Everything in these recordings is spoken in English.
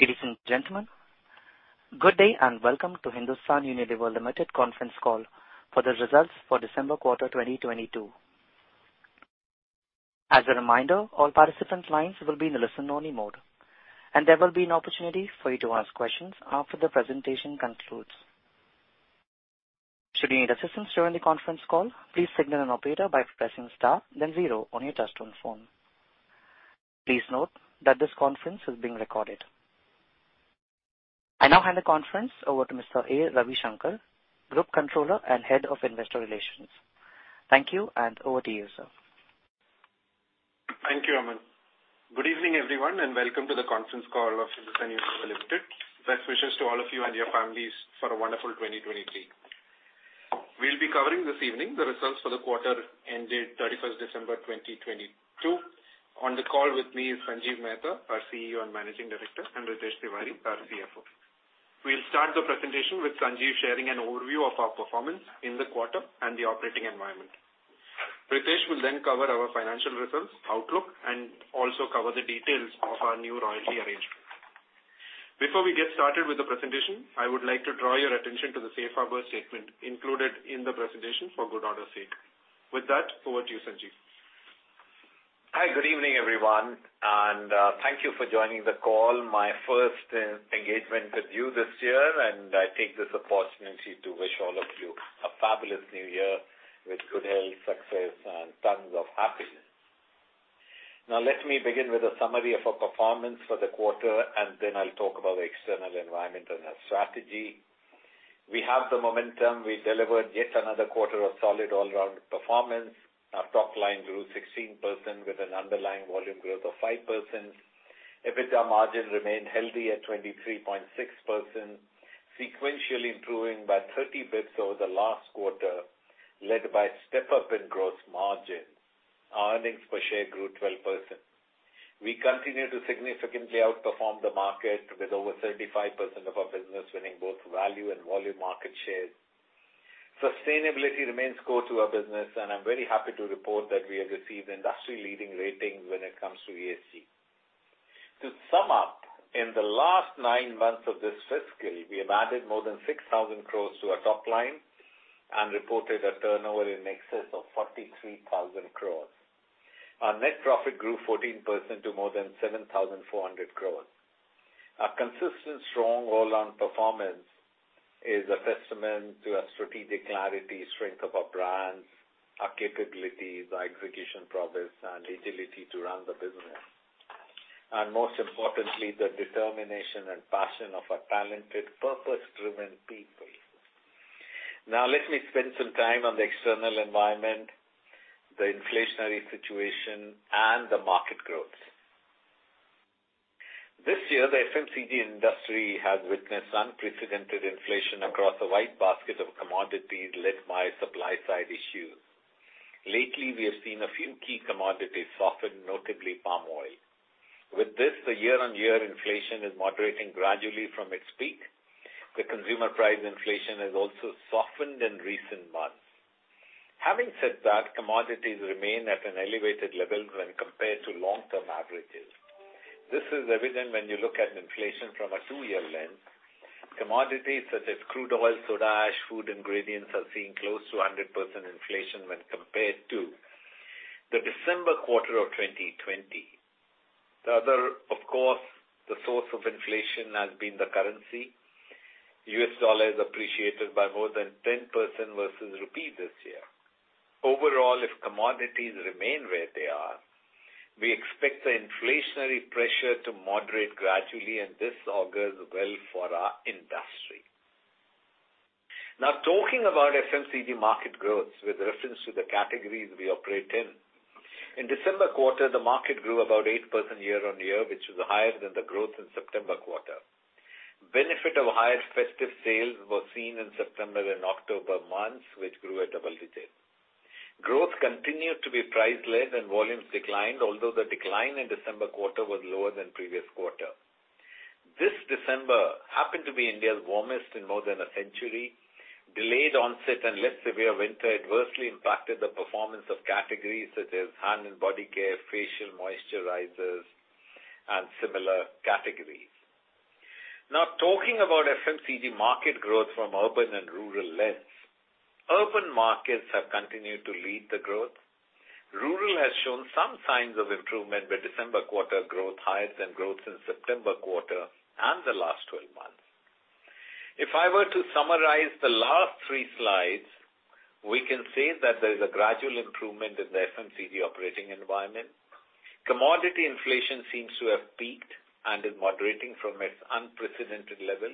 Ladies and gentlemen, good day, and welcome to Hindustan Unilever Limited conference call for the results for December quarter 2022. As a reminder, all participants' lines will be in a listen-only mode, and there will be an opportunity for you to ask questions after the presentation concludes. Should you need assistance during the conference call, please signal an operator by pressing star then 0 on your touchtone phone. Please note that this conference is being recorded. I now hand the conference over to Mr. A. Ravishankar, Group Controller and Head of Investor Relations. Thank you, and over to you, sir. Thank you, Aman. Good evening, everyone, welcome to the conference call of Hindustan Unilever Limited. Best wishes to all of you and your families for a wonderful 2023. We'll be covering this evening the results for the quarter ended 31st December 2022. On the call with me is Sanjiv Mehta, our CEO and Managing Director, Ritesh Tiwari, our CFO. We'll start the presentation with Sanjiv sharing an overview of our performance in the quarter and the operating environment. Ritesh will cover our financial results, outlook, and also cover the details of our new royalty arrangement. Before we get started with the presentation, I would like to draw your attention to the safe harbor statement included in the presentation for good order's sake. With that, over to you, Sanjiv. Hi, good evening, everyone. Thank you for joining the call, my first engagement with you this year. I take this opportunity to wish all of you a fabulous new year with good health, success, and tons of happiness. Let me begin with a summary of our performance for the quarter. Then I'll talk about the external environment and our strategy. We have the momentum. We delivered yet another quarter of solid all-rounded performance. Our top line grew 16% with an underlying volume growth of 5%. EBITDA margin remained healthy at 23.6%, sequentially improving by 30 basis points over the last quarter, led by a step-up in gross margin. Our earnings per share grew 12%. We continue to significantly outperform the market with over 35% of our business winning both value and volume market share. Sustainability remains core to our business, and I'm very happy to report that we have received industry-leading ratings when it comes to ESG. To sum up, in the last nine months of this fiscal, we have added more than 6,000 crores to our top line and reported a turnover in excess of 43,000 crores. Our net profit grew 14% to more than 7,400 crores. Our consistent strong all-around performance is a testament to our strategic clarity, strength of our brands, our capabilities, our execution prowess and agility to run the business, and most importantly, the determination and passion of our talented, purpose-driven people. Let me spend some time on the external environment, the inflationary situation, and the market growth. This year, the FMCG industry has witnessed unprecedented inflation across a wide basket of commodities led by supply side issues. Lately, we have seen a few key commodities soften, notably palm oil. With this, the year-on-year inflation is moderating gradually from its peak. The consumer price inflation has also softened in recent months. Having said that, commodities remain at an elevated level when compared to long-term averages. This is evident when you look at inflation from a two-year lens. Commodities such as crude oil, soda ash, food ingredients are seeing close to 100% inflation when compared to the December quarter of 2020. The other, of course, the source of inflation has been the currency. US dollar has appreciated by more than 10% versus rupee this year. Overall, if commodities remain where they are, we expect the inflationary pressure to moderate gradually. This augurs well for our industry. Now talking about FMCG market growth with reference to the categories we operate in. In December quarter, the market grew about 8% year-on-year, which was higher than the growth in September quarter. Benefit of higher festive sales was seen in September and October months, which grew at a double-digit. Growth continued to be price-led and volumes declined, although the decline in December quarter was lower than previous quarter. This December happened to be India's warmest in more than a century. Delayed onset and less severe winter adversely impacted the performance of categories such as hand and body care, facial moisturizers, and similar categories. Talking about FMCG market growth from urban and rural lens. Urban markets have continued to lead the growth. Rural has shown some signs of improvement, with December quarter growth higher than growth in September quarter and the last 12 months. If I were to summarize the last three slides, we can say that there is a gradual improvement in the FMCG operating environment. Commodity inflation seems to have peaked and is moderating from its unprecedented level.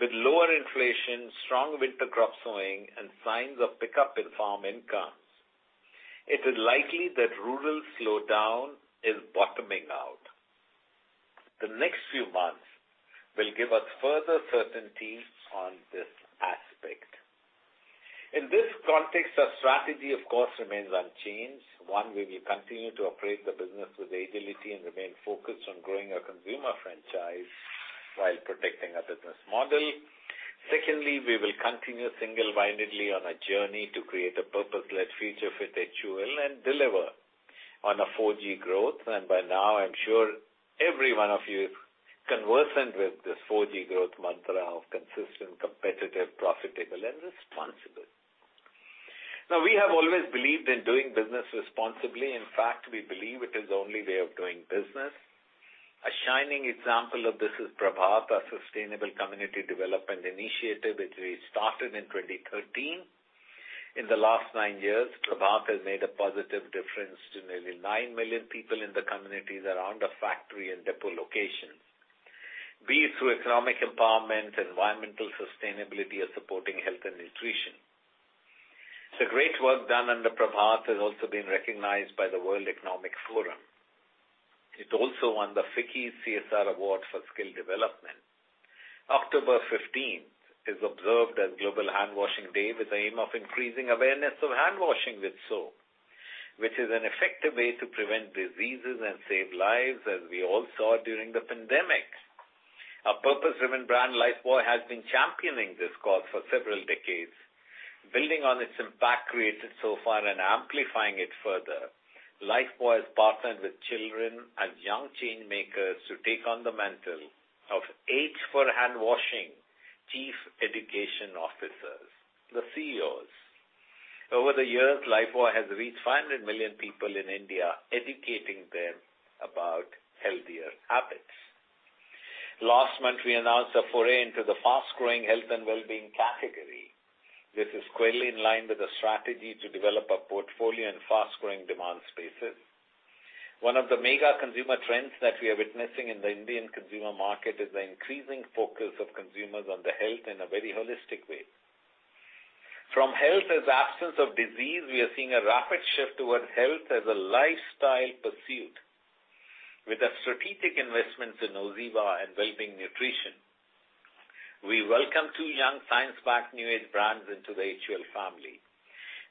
With lower inflation, strong winter crop sowing, and signs of pickup in farm incomes, it is likely that rural slowdown is bottoming out. The next few months will give us further certainty on this aspect. In this context, our strategy, of course, remains unchanged. One, we will continue to operate the business with agility and remain focused on growing our consumer franchise, while protecting our business model. Two, we will continue single-mindedly on a journey to create a purpose-led future with HUL and deliver on a 4G growth. By now, I'm sure every one of you is conversant with this 4G growth mantra of consistent, competitive, profitable, and responsible. Now, we have always believed in doing business responsibly. In fact, we believe it is the only way of doing business. A shining example of this is Prabhat, our sustainable community development initiative, which we started in 2013. In the last nine years, Prabhat has made a positive difference to nearly nine million people in the communities around our factory and depot locations, be it through economic empowerment, environmental sustainability, or supporting health and nutrition. The great work done under Prabhat has also been recognized by the World Economic Forum. It also won the FICCI CSR Award for skill development. October 15th is observed as Global Handwashing Day with the aim of increasing awareness of handwashing with soap, which is an effective way to prevent diseases and save lives, as we all saw during the pandemic. Our purpose-driven brand, Lifebuoy, has been championing this cause for several decades. Building on its impact created so far and amplifying it further, Lifebuoy has partnered with children and young change-makers to take on the mantle of H for Handwashing Chief Education Officers, the CEOs. Over the years, Lifebuoy has reached 500 million people in India, educating them about healthier habits. Last month, we announced a foray into the fast-growing health and wellbeing category. This is squarely in line with the strategy to develop our portfolio in fast-growing demand spaces. One of the mega consumer trends that we are witnessing in the Indian consumer market is the increasing focus of consumers on their health in a very holistic way. From health as absence of disease, we are seeing a rapid shift towards health as a lifestyle pursuit. With our strategic investments in OZiva and Wellbeing Nutrition, we welcome two young science-backed new age brands into the HUL family.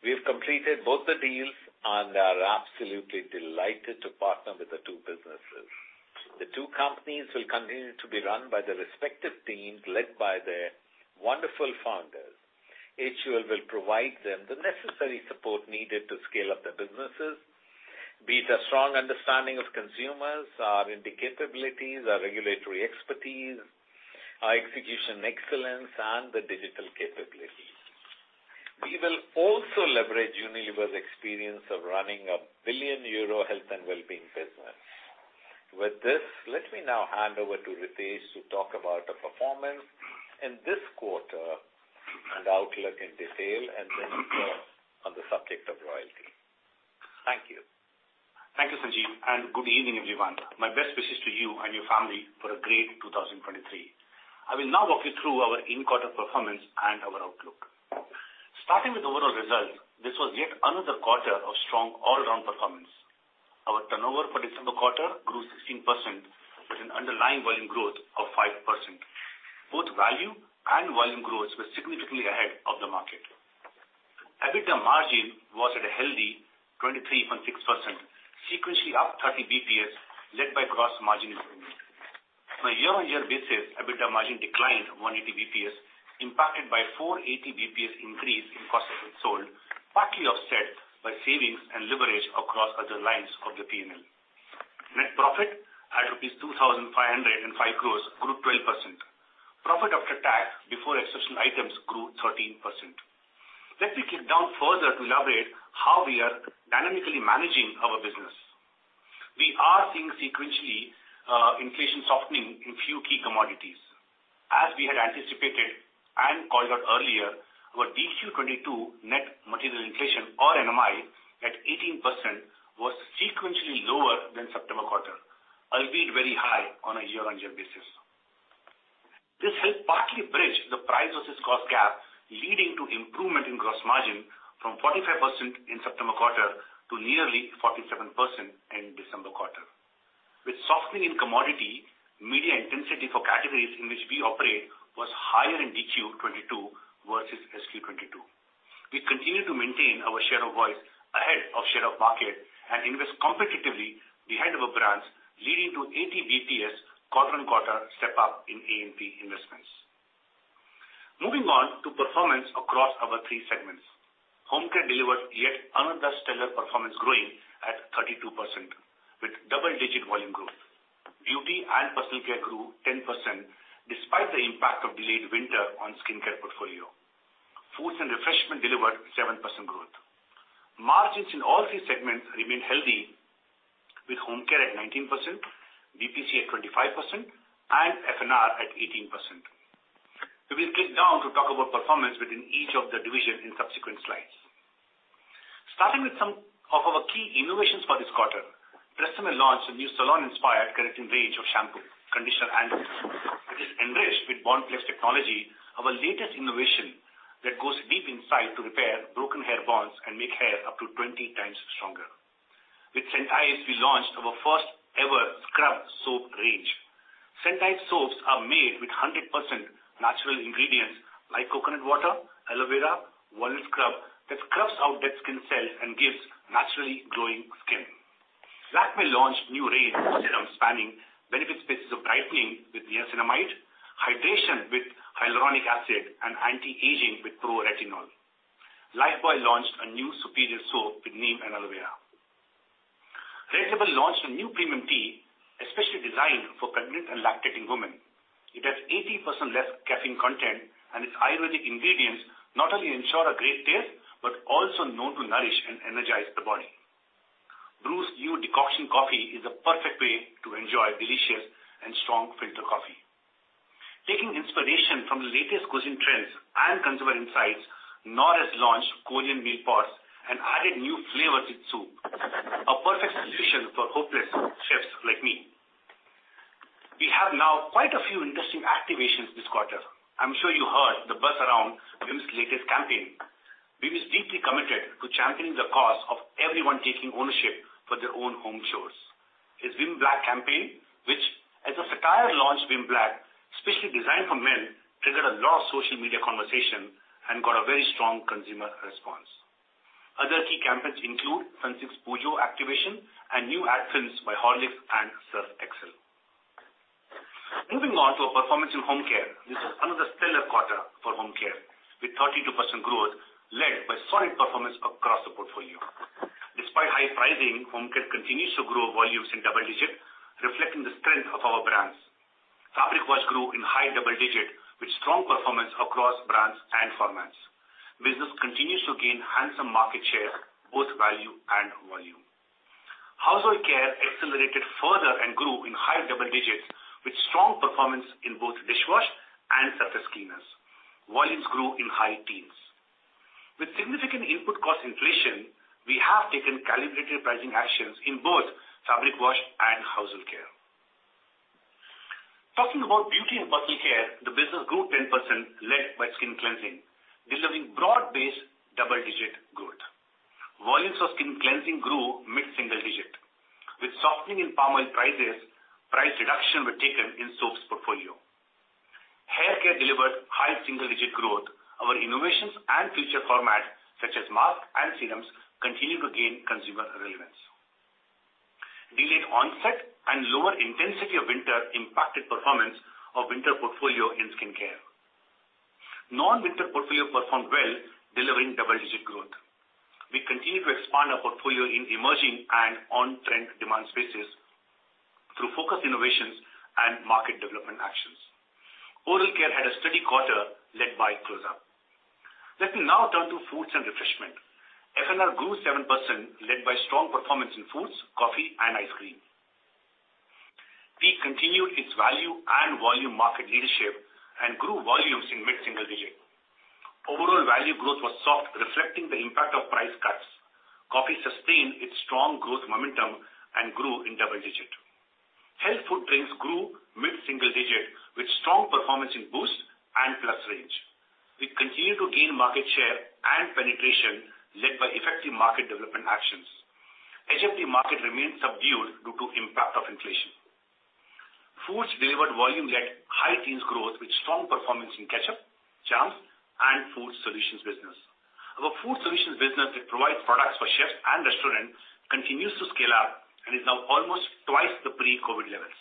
We have completed both the deals and are absolutely delighted to partner with the two businesses. The two companies will continue to be run by their respective teams, led by their wonderful founders. HUL will provide them the necessary support needed to scale up their businesses, be it a strong understanding of consumers, our indicatabilities, our regulatory expertise, our execution excellence, and the digital capabilities. We will also leverage Unilever's experience of running a billion-euro health and wellbeing business. With this, let me now hand over to Ritesh to talk about the performance in this quarter and outlook in detail, and then Ritu on the subject of royalty. Thank you. Thank you, Sanjiv. Good evening, everyone. My best wishes to you and your family for a great 2023. I will now walk you through our in-quarter performance and our outlook. Starting with overall results, this was yet another quarter of strong all-around performance. Our turnover for December quarter grew 16%, with an underlying volume growth of 5%. Both value and volume growth were significantly ahead of the market. EBITDA margin was at a healthy 23.6%, sequentially up 30 basis points, led by gross margin improvement. On a year-over-year basis, EBITDA margin declined 180 basis points, impacted by 480 basis points increase in cost of goods sold, partly offset by savings and leverage across other lines of the P&L. Net profit at INR 2,505 crores grew 12%. Profit after tax before exceptional items grew 13%. Let me dig down further to elaborate how we are dynamically managing our business. We are seeing sequentially, inflation softening in few key commodities. As we had anticipated and called out earlier, our DQ22 net material inflation or NMI at 18% was sequentially lower than September quarter, albeit very high on a year-on-year basis. This helped partly bridge the price versus cost gap, leading to improvement in gross margin from 45% in September quarter to nearly 47% in December quarter. With softening in commodity, media intensity for categories in which we operate was higher in DQ22 versus SQ22. We continue to maintain our share of voice ahead of share of market and invest competitively behind our brands, leading to 80 basis points quarter-on-quarter step-up in A&P investments. Moving on to performance across our three segments. Home Care delivered yet another stellar performance, growing at 32% with double-digit volume growth. Beauty & Wellbeing grew 10% despite the impact of delayed winter on skincare portfolio. Foods & Refreshment delivered 7% growth. Margins in all three segments remain healthy with Home Care at 19%, BPC at 25%, and FNR at 18%. We will dig down to talk about performance within each of the divisions in subsequent slides. Starting with some of our key innovations for this quarter, Sunsilk launched a new salon-inspired Keratin range of shampoo, conditioner, and It is enriched with BondPlex technology, our latest innovation that goes deep inside to repair broken hair bonds and make hair up to 20 times stronger. With Santoor, we launched our first-ever scrub soap range. Santoor soaps are made-Natural ingredients like coconut water, aloe vera, walnut scrub that scrubs out dead skin cells and gives naturally glowing skin. Black Milk launched new range serum spanning benefit spaces of brightening with niacinamide, hydration with hyaluronic acid, and anti-aging with pro-retinol. Lifebuoy launched a new superior soap with neem and aloe vera. Red Label launched a new premium tea especially designed for pregnant and lactating women. It has 80% less caffeine content. Its Ayurvedic ingredients not only ensure a great taste, but also known to nourish and energize the body. Bru's new decoction coffee is the perfect way to enjoy delicious and strong filter coffee. Taking inspiration from the latest cuisine trends and consumer insights, Knorr has launched Korean meal pots and added new flavors in soup. A perfect solution for hopeless chefs like me. We have now quite a few interesting activations this quarter. I'm sure you heard the buzz around Vim's latest campaign. Vim is deeply committed to championing the cause of everyone taking ownership for their own home chores. Its Vim Black campaign, which as a satire launched Vim Black, especially designed for men, triggered a lot of social media conversation and got a very strong consumer response. Other key campaigns include Sunsilk's DIYoj activation and new ad films by Horlicks and Surf Excel. Moving on to our performance in Home Care. This is another stellar quarter for Home Care, with 32% growth led by solid performance across the portfolio. Despite high pricing, Home Care continues to grow volumes in double-digit, reflecting the strength of our brands. Fabric wash grew in high double-digit with strong performance across brands and formats. Business continues to gain handsome market share, both value and volume. Household Care accelerated further and grew in high double digits with strong performance in both dishwasher and surface cleaners. Volumes grew in high teens. With significant input cost inflation, we have taken calibrated pricing actions in both fabric wash and Household Care. Talking about Beauty and Personal Care, the business grew 10% led by skin cleansing, delivering broad-based double-digit growth. Volumes of skin cleansing grew mid-single digit. With softening in palm oil prices, price reduction were taken in soaps portfolio. Hair Care delivered high single-digit growth. Our innovations and future formats such as masks and serums continue to gain consumer relevance. Delayed onset and lower intensity of winter impacted performance of winter portfolio in skin care. Non-winter portfolio performed well, delivering double-digit growth. We continue to expand our portfolio in emerging and on-trend demand spaces through focused innovations and market development actions. Oral care had a steady quarter led by Closeup. Let me now turn to Foods and Refreshment. F&R grew 7% led by strong performance in foods, coffee and ice cream. Tea continued its value and volume market leadership and grew volumes in mid-single digit. Overall value growth was soft, reflecting the impact of price cuts. Coffee sustained its strong growth momentum and grew in double digit. Health food drinks grew mid-single digit with strong performance in Boost and Plus range. We continue to gain market share and penetration led by effective market development actions. HFD market remains subdued due to impact of inflation. Foods delivered volume-led high teens growth with strong performance in ketchup, jams and food solutions business. Our food solutions business that provides products for chefs and restaurants continues to scale up and is now almost 2x the pre-COVID levels.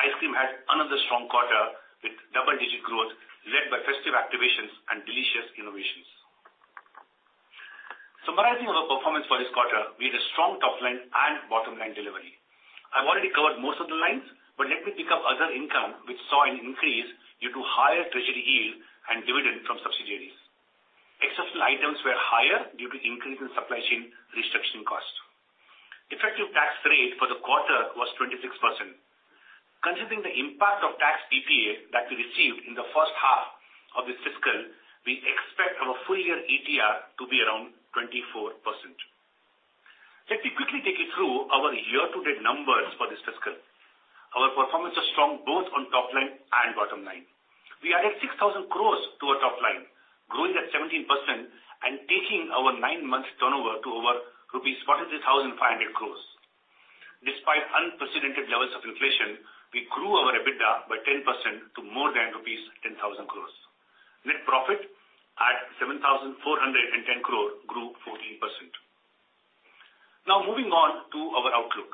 Ice cream had another strong quarter with double-digit growth led by festive activations and delicious innovations. Summarizing our performance for this quarter, we had a strong top line and bottom line delivery. I've already covered most of the lines, but let me pick up other income which saw an increase due to higher treasury yield and dividend from subsidiaries. Exceptional items were higher due to increase in supply chain restructuring costs. Effective Tax Rate for the quarter was 26%. Considering the impact of tax DTA that we received in the first half of this fiscal, we expect our full year ETR to be around 24%. Let me quickly take you through our year-to-date numbers for this fiscal. Our performance was strong both on top line and bottom line. We added 6,000 crore to our top line, growing at 17% and taking our nine month turnover to over rupees 43,500 crore. Despite unprecedented levels of inflation, we grew our EBITDA by 10% to more than rupees 10,000 crore. Net profit at 7,410 crore grew 14%. Moving on to our outlook.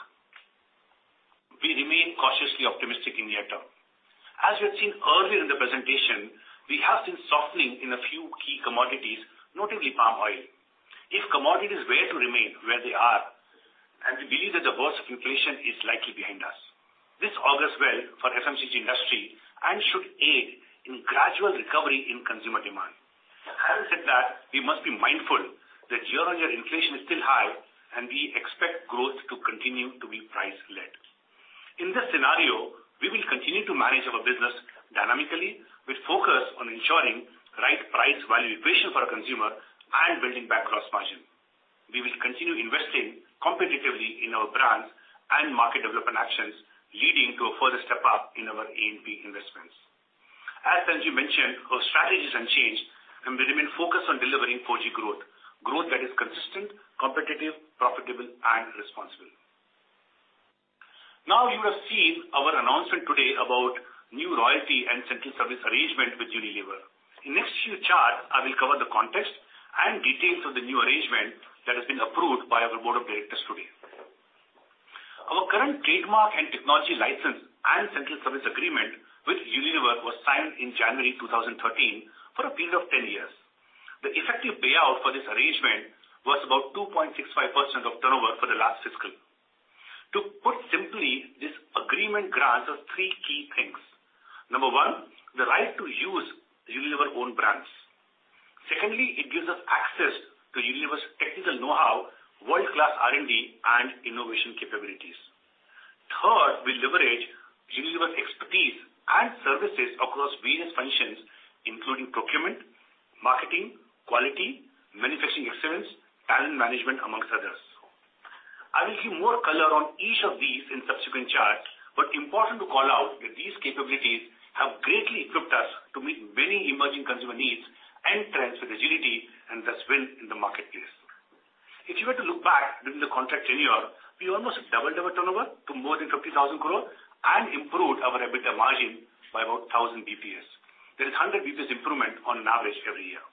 We remain cautiously optimistic in near term. As you had seen earlier in the presentation, we have seen softening in a few key commodities, notably palm oil. If commodities were to remain where they are, and we believe that the worst of inflation is likely behind us, this augurs well for FMCG industry and should aid in gradual recovery in consumer demand. Having said that, we must be mindful that year-on-year inflation is still high and we expect growth to continue to be price led. In this scenario, we will continue to manage our business dynamically with focus on ensuring right price value equation for our consumer and building back gross margin. We will continue investing competitively in our brands and market development actions, leading to a further step up in our A&P investments. As Sanjiv mentioned, our strategies unchanged, and we remain focused on delivering 4G growth that is consistent, competitive, profitable and responsible. You have seen our announcement today about new royalty and central service arrangement with Unilever. In next few charts, I will cover the context and details of the new arrangement that has been approved by our board of directors today. Our current trademark and technology license and central service agreement with Unilever was signed in January 2013 for a period of 10 years. The effective payout for this arrangement was about 2.65% of turnover for the last fiscal. To put simply, this agreement grants us three key things. Number one, the right to use Unilever-owned brands. Secondly, it gives us access to Unilever's technical know-how, world-class R&D, and innovation capabilities. Third, we leverage Unilever's expertise and services across various functions, including procurement, marketing, quality, manufacturing excellence, talent management, amongst others. I will give more color on each of these in subsequent charts. Important to call out that these capabilities have greatly equipped us to meet many emerging consumer needs and trends with agility, and thus win in the marketplace. If you were to look back during the contract tenure, we almost doubled our turnover to more than 50,000 crore and improved our EBITDA margin by about 1,000 basis points. There is a 100 basis points improvement on average every year.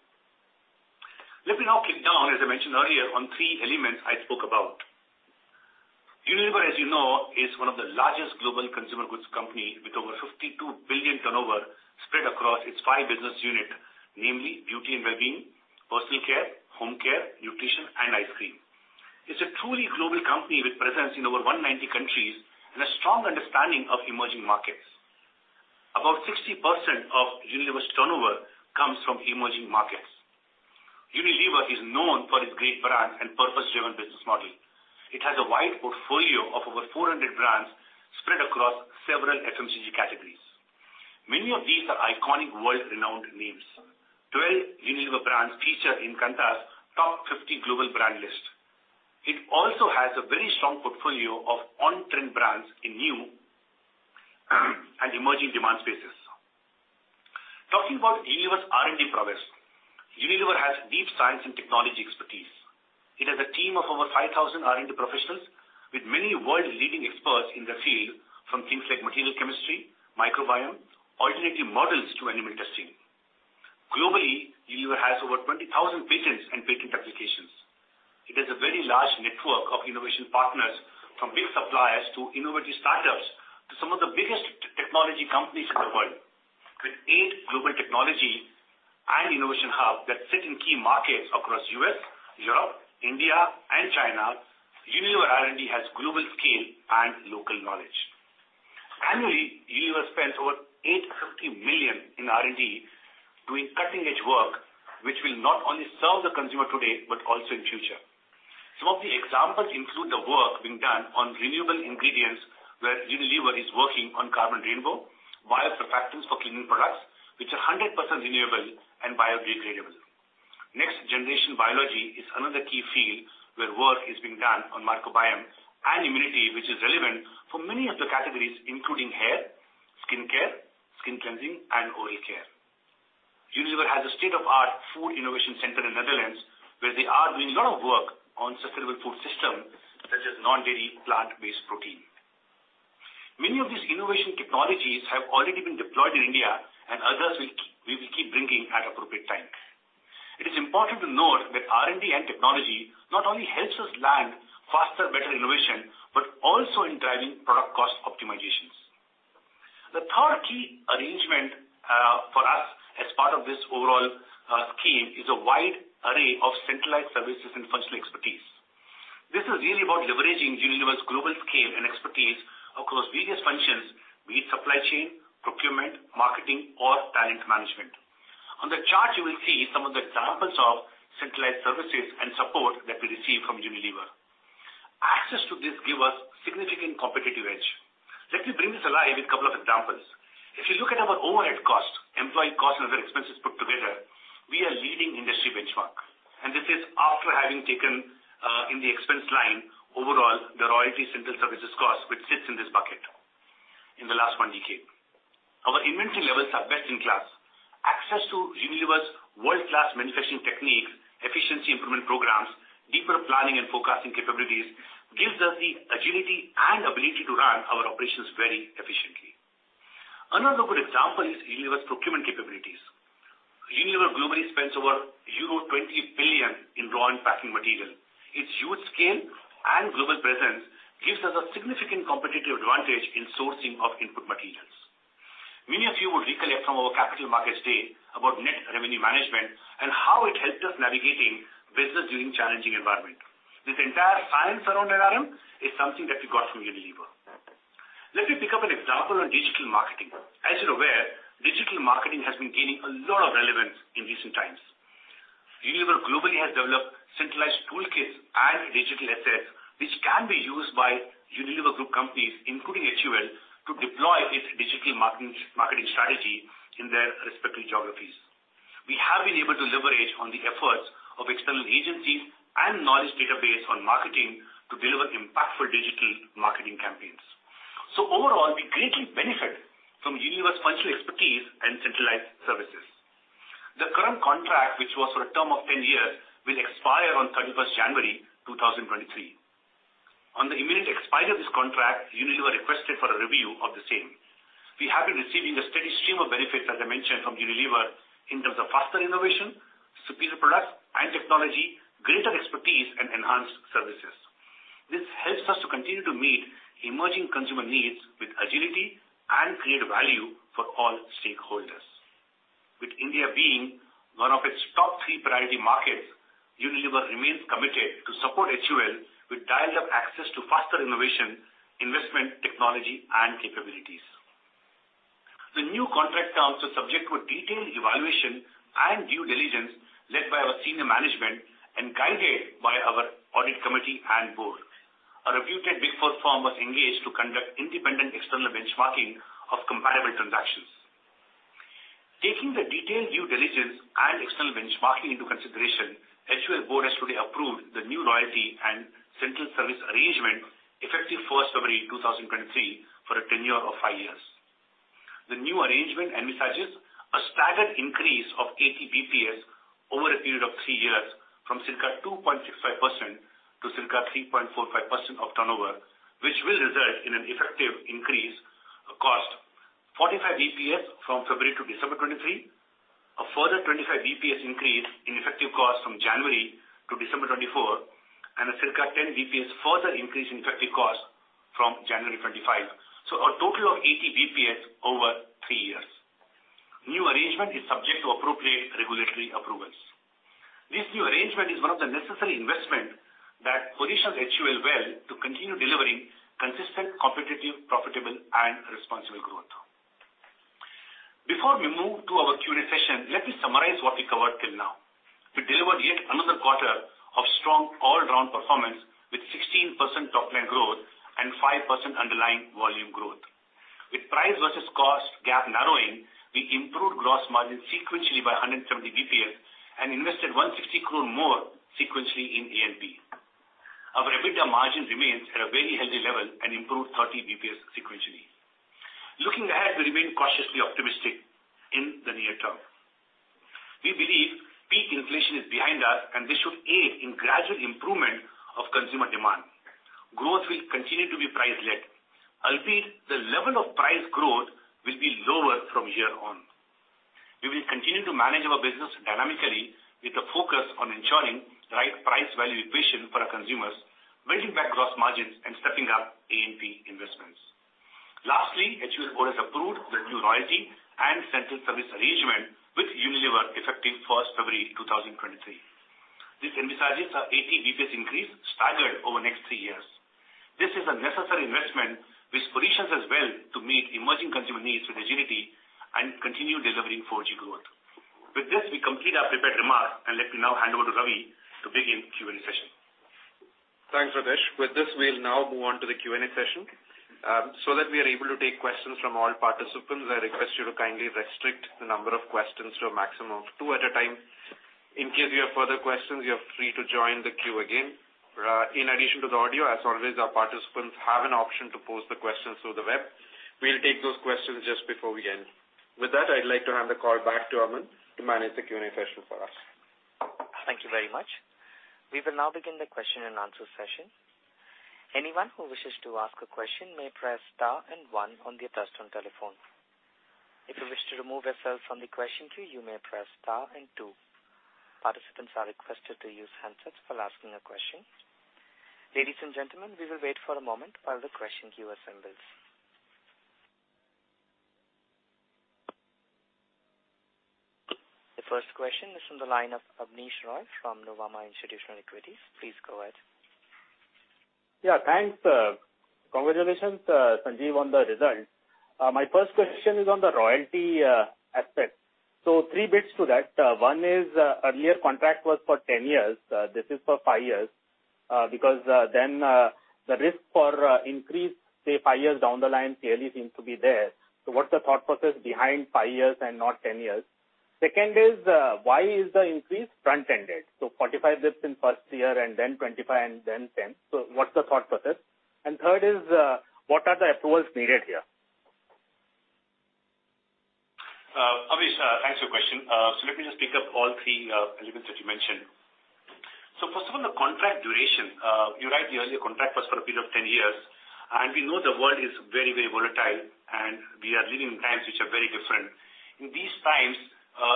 Let me now kick down, as I mentioned earlier, on three elements I spoke about. Unilever, as you know, is one of the largest global consumer goods company with over 52 billion turnover spread across its five business unit, namely Beauty & Wellbeing, Personal Care, Home Care, Nutrition and Ice Cream. It's a truly global company with presence in over 190 countries and a strong understanding of emerging markets. About 60% of Unilever's turnover comes from emerging markets. Unilever is known for its great brands and purpose-driven business model. It has a wide portfolio of over 400 brands spread across several FMCG categories. Many of these are iconic world-renowned names. 12 Unilever brands feature in Kantar's top 50 global brand list. It also has a very strong portfolio of on-trend brands in new and emerging demand spaces. Talking about Unilever's R&D prowess, Unilever has deep science and technology expertise. It has a team of over 5,000 R&D professionals with many world-leading experts in their field from things like material chemistry, microbiome, alternative models to animal testing. Globally, Unilever has over 20,000 patents and patent applications. It has a very large network of innovation partners, from big suppliers to innovative startups to some of the biggest technology companies in the world. With eight global technology and innovation hub that sit in key markets across U.S., Europe, India and China, Unilever R&D has global scale and local knowledge. Annually, Unilever spends over 850 million in R&D doing cutting-edge work, which will not only serve the consumer today but also in future. Some of the examples include the work being done on renewable ingredients, where Unilever is working on Carbon Rainbow, biosurfactants for cleaning products, which are 100% renewable and biodegradable. Next generation biology is another key field where work is being done on microbiome and immunity, which is relevant for many of the categories, including hair, skin care, skin cleansing and oral care. Unilever has a state-of-the-art food innovation center in Netherlands, where they are doing a lot of work on sustainable food system, such as non-dairy plant-based protein. Many of these innovation technologies have already been deployed in India and others we will keep bringing at appropriate time. It is important to note that R&D and technology not only helps us land faster, better innovation, but also in driving product cost optimizations. The third key arrangement for us as part of this overall scheme is a wide array of centralized services and functional expertise. This is really about leveraging Unilever's global scale and expertise across various functions, be it supply chain, procurement, marketing or talent management. On the chart you will see some of the examples of centralized services and support that we receive from Unilever. Access to this give us significant competitive edge. Let me bring this alive with a couple of examples. If you look at our overhead costs, employee costs, and other expenses put together, we are leading industry benchmark and this is after having taken in the expense line overall the royalty central services cost which sits in this bucket in the last one decade. Our inventory levels are best in class. Access to Unilever's world-class manufacturing techniques, efficiency improvement programs, deeper planning and forecasting capabilities gives us the agility and ability to run our operations very efficiently. Another good example is Unilever's procurement capabilities. Unilever globally spends over euro 20 billion in raw and packing material. Its huge scale and global presence gives us a significant competitive advantage in sourcing of input materials. Many of you would recollect from our capital markets day about Net Revenue Management and how it helped us navigating business during challenging environment. This entire science around RRM is something that we got from Unilever. Let me pick up an example on digital marketing. As you're aware, digital marketing has been gaining a lot of relevance in recent times. Unilever globally has developed centralized toolkits and digital assets which can be used by Unilever group companies, including HUL, to deploy its digital marketing strategy in their respective geographies. We have been able to leverage on the efforts of external agencies and knowledge database on marketing to deliver impactful digital marketing campaigns. Overall, we greatly benefit from Unilever's functional expertise and centralized services. The current contract, which was for a term of 10 years, will expire on January 31, 2023. On the immediate expiry of this contract, Unilever requested for a review of the same. We have been receiving a steady stream of benefits, as I mentioned, from Unilever in terms of faster innovation, superior products and technology, greater expertise and enhanced services. This helps us to continue to meet emerging consumer needs with agility and create value for all stakeholders. With India being one of its top three priority markets, Unilever remains committed to support HUL with dialed up access to faster innovation, investment, technology and capabilities. The new contract terms are subject to a detailed evaluation and due diligence led by our senior management and guided by our audit committee and board. A reputed Big Four firm was engaged to conduct independent external benchmarking of comparable transactions. Taking the detailed due diligence and external benchmarking into consideration, HUL's board has fully approved the new royalty and central service arrangement effective 1st February 2023 for a tenure of five years. The new arrangement envisages a staggered increase of 80 basis points over a period of three years from circa 2.65% to circa 3.45% of turnover, which will result in an effective increase of cost 45 basis points from February to December 2023, a further 25 basis points increase in effective cost from January to December 2024, and a circa 10 basis points further increase in effective cost from January 2025. A total of 80 basis points over three years. New arrangement is subject to appropriate regulatory approvals. This new arrangement is one of the necessary investment that positions HUL well to continue delivering consistent, competitive, profitable and responsible growth. Before we move to our Q&A session, let me summarize what we covered till now. We delivered yet another quarter of strong all-round performance with 16% top line growth and 5% underlying volume growth. With price versus cost gap narrowing, we improved gross margin sequentially by 170 basis points and invested 160 crore more sequentially in A&P. Our EBITDA margin remains at a very healthy level and improved 30 basis points sequentially. Looking ahead, we remain cautiously optimistic in the near term. We believe peak inflation is behind us and this should aid in gradual improvement of consumer demand. Growth will continue to be price led. Albeit, the level of price growth will be lower from here on. We will continue to manage our business dynamically with a focus on ensuring the right price value equation for our consumers, building back gross margins and stepping up A&P investments. HUL board has approved the new royalty and central service arrangement with Unilever effective February 1, 2023. This envisages an 80 basis points increase staggered over the next three years. This is a necessary investment which positions us well to meet emerging consumer needs with agility and continue delivering 4G growth. With this, we complete our prepared remarks, and let me now hand over to Ravi to begin Q&A session. Thanks, Ritesh. With this, we'll now move on to the Q&A session. That we are able to take questions from all participants, I request you to kindly restrict the number of questions to a maximum of two at a time. In case you have further questions, you are free to join the queue again. In addition to the audio, as always, our participants have an option to pose the questions through the web. We'll take those questions just before we end. With that, I'd like to hand the call back to Aman to manage the Q&A session for us. Thank you very much. We will now begin the question and answer session. Anyone who wishes to ask a question may press star one on their touchtone telephone. If you wish to remove yourself from the question queue, you may press star two. Participants are requested to use handsets while asking a question. Ladies and gentlemen, we will wait for a moment while the question queue assembles. The first question is from the line of Abneesh Roy from Nuvama Institutional Equities. Please go ahead. Yeah, thanks. Congratulations, Sanjiv, on the results. My first question is on the royalty aspect. Three bits to that. One is, earlier contract was for 10 years, this is for five years, because then the risk for increase, say, five years down the line clearly seems to be there. What's the thought process behind five years and not 10 years? Second is, why is the increase front-ended? 45 dips in first year and then 25 and then 10. What's the thought process? Third is, what are the approvals needed here? Abneesh, thanks for your question. Let me just pick up all three elements that you mentioned. First of all, the contract duration. You're right, the earlier contract was for a period of 10 years, we know the world is very, very volatile, we are living in times which are very different. In these times,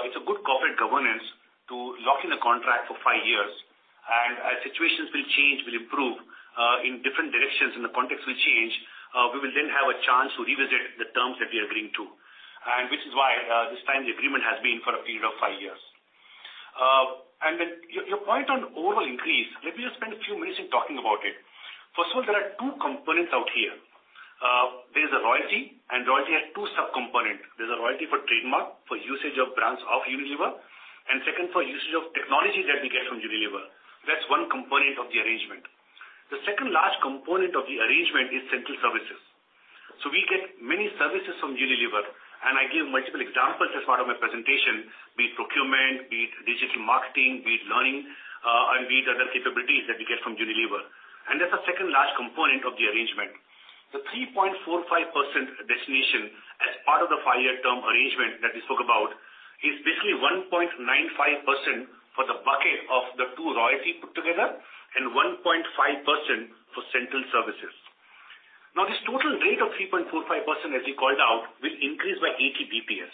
it's a good corporate governance to lock in a contract for five years. As situations will change, will improve in different directions and the context will change, we will then have a chance to revisit the terms that we agree to. Which is why, this time the agreement has been for a period of five years. Then your point on overall increase, let me just spend a few minutes in talking about it. First of all, there are two components out here. There's a royalty, and royalty has two subcomponents. There's a royalty for trademark, for usage of brands of Unilever, and second, for usage of technology that we get from Unilever. That's one component of the arrangement. The second large component of the arrangement is central services. We get many services from Unilever, and I gave multiple examples as part of my presentation, be it procurement, be it digital marketing, be it learning, and be it other capabilities that we get from Unilever. That's the second large component of the arrangement. The 3.45% destination as part of the five year term arrangement that we spoke about is basically 1.95% for the bucket of the two royalty put together, and 1.5% for central services. This total rate of 3.45%, as we called out, will increase by 80 basis points.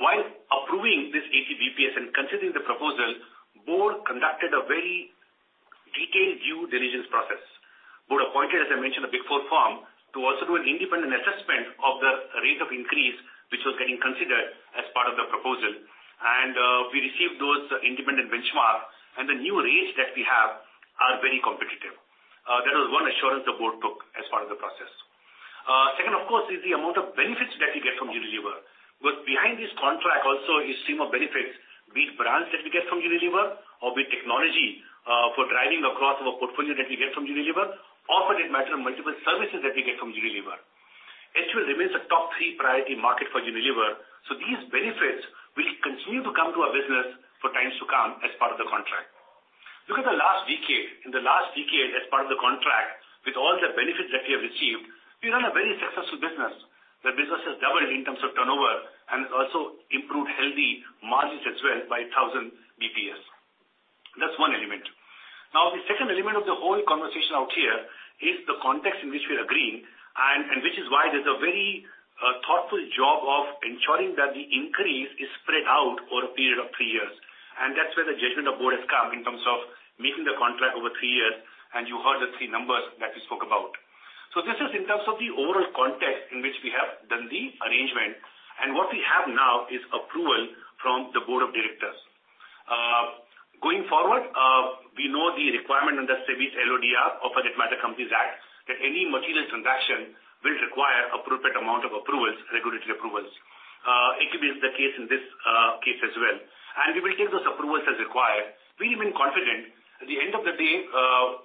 While approving this 80 basis points and considering the proposal, Board conducted a very detailed due diligence process. Board appointed, as I mentioned, a Big Four firm to also do an independent assessment of the rate of increase, which was getting considered as part of the proposal. We received those independent benchmarks, and the new rates that we have are very competitive. That was one assurance the Board took as part of the process. Second, of course, is the amount of benefits that we get from Unilever. Behind this contract also is stream of benefits, be it brands that we get from Unilever or be it technology for driving across our portfolio that we get from Unilever, or for that matter, multiple services that we get from Unilever. HUL remains a top three priority market for Unilever, these benefits will continue to come to our business for times to come as part of the contract. Look at the last decade. In the last decade, as part of the contract, with all the benefits that we have received, we run a very successful business. The business has doubled in terms of turnover and it's also improved healthy margins as well by 1,000 basis points. That's one element. The second element of the whole conversation out here is the context in which we are agreeing and which is why there's a very thoughtful job of ensuring that the increase is spread out over a period of three years. That's where the judgment of board has come in terms of making the contract over three years, and you heard the three numbers that we spoke about. This is in terms of the overall context in which we have done the arrangement, and what we have now is approval from the board of directors. Going forward, we know the requirement under SEBI's LODR or for that matter Companies Act, that any material transaction will require appropriate amount of approvals, regulatory approvals. It remains the case in this case as well. We will take those approvals as required. We remain confident. At the end of the day,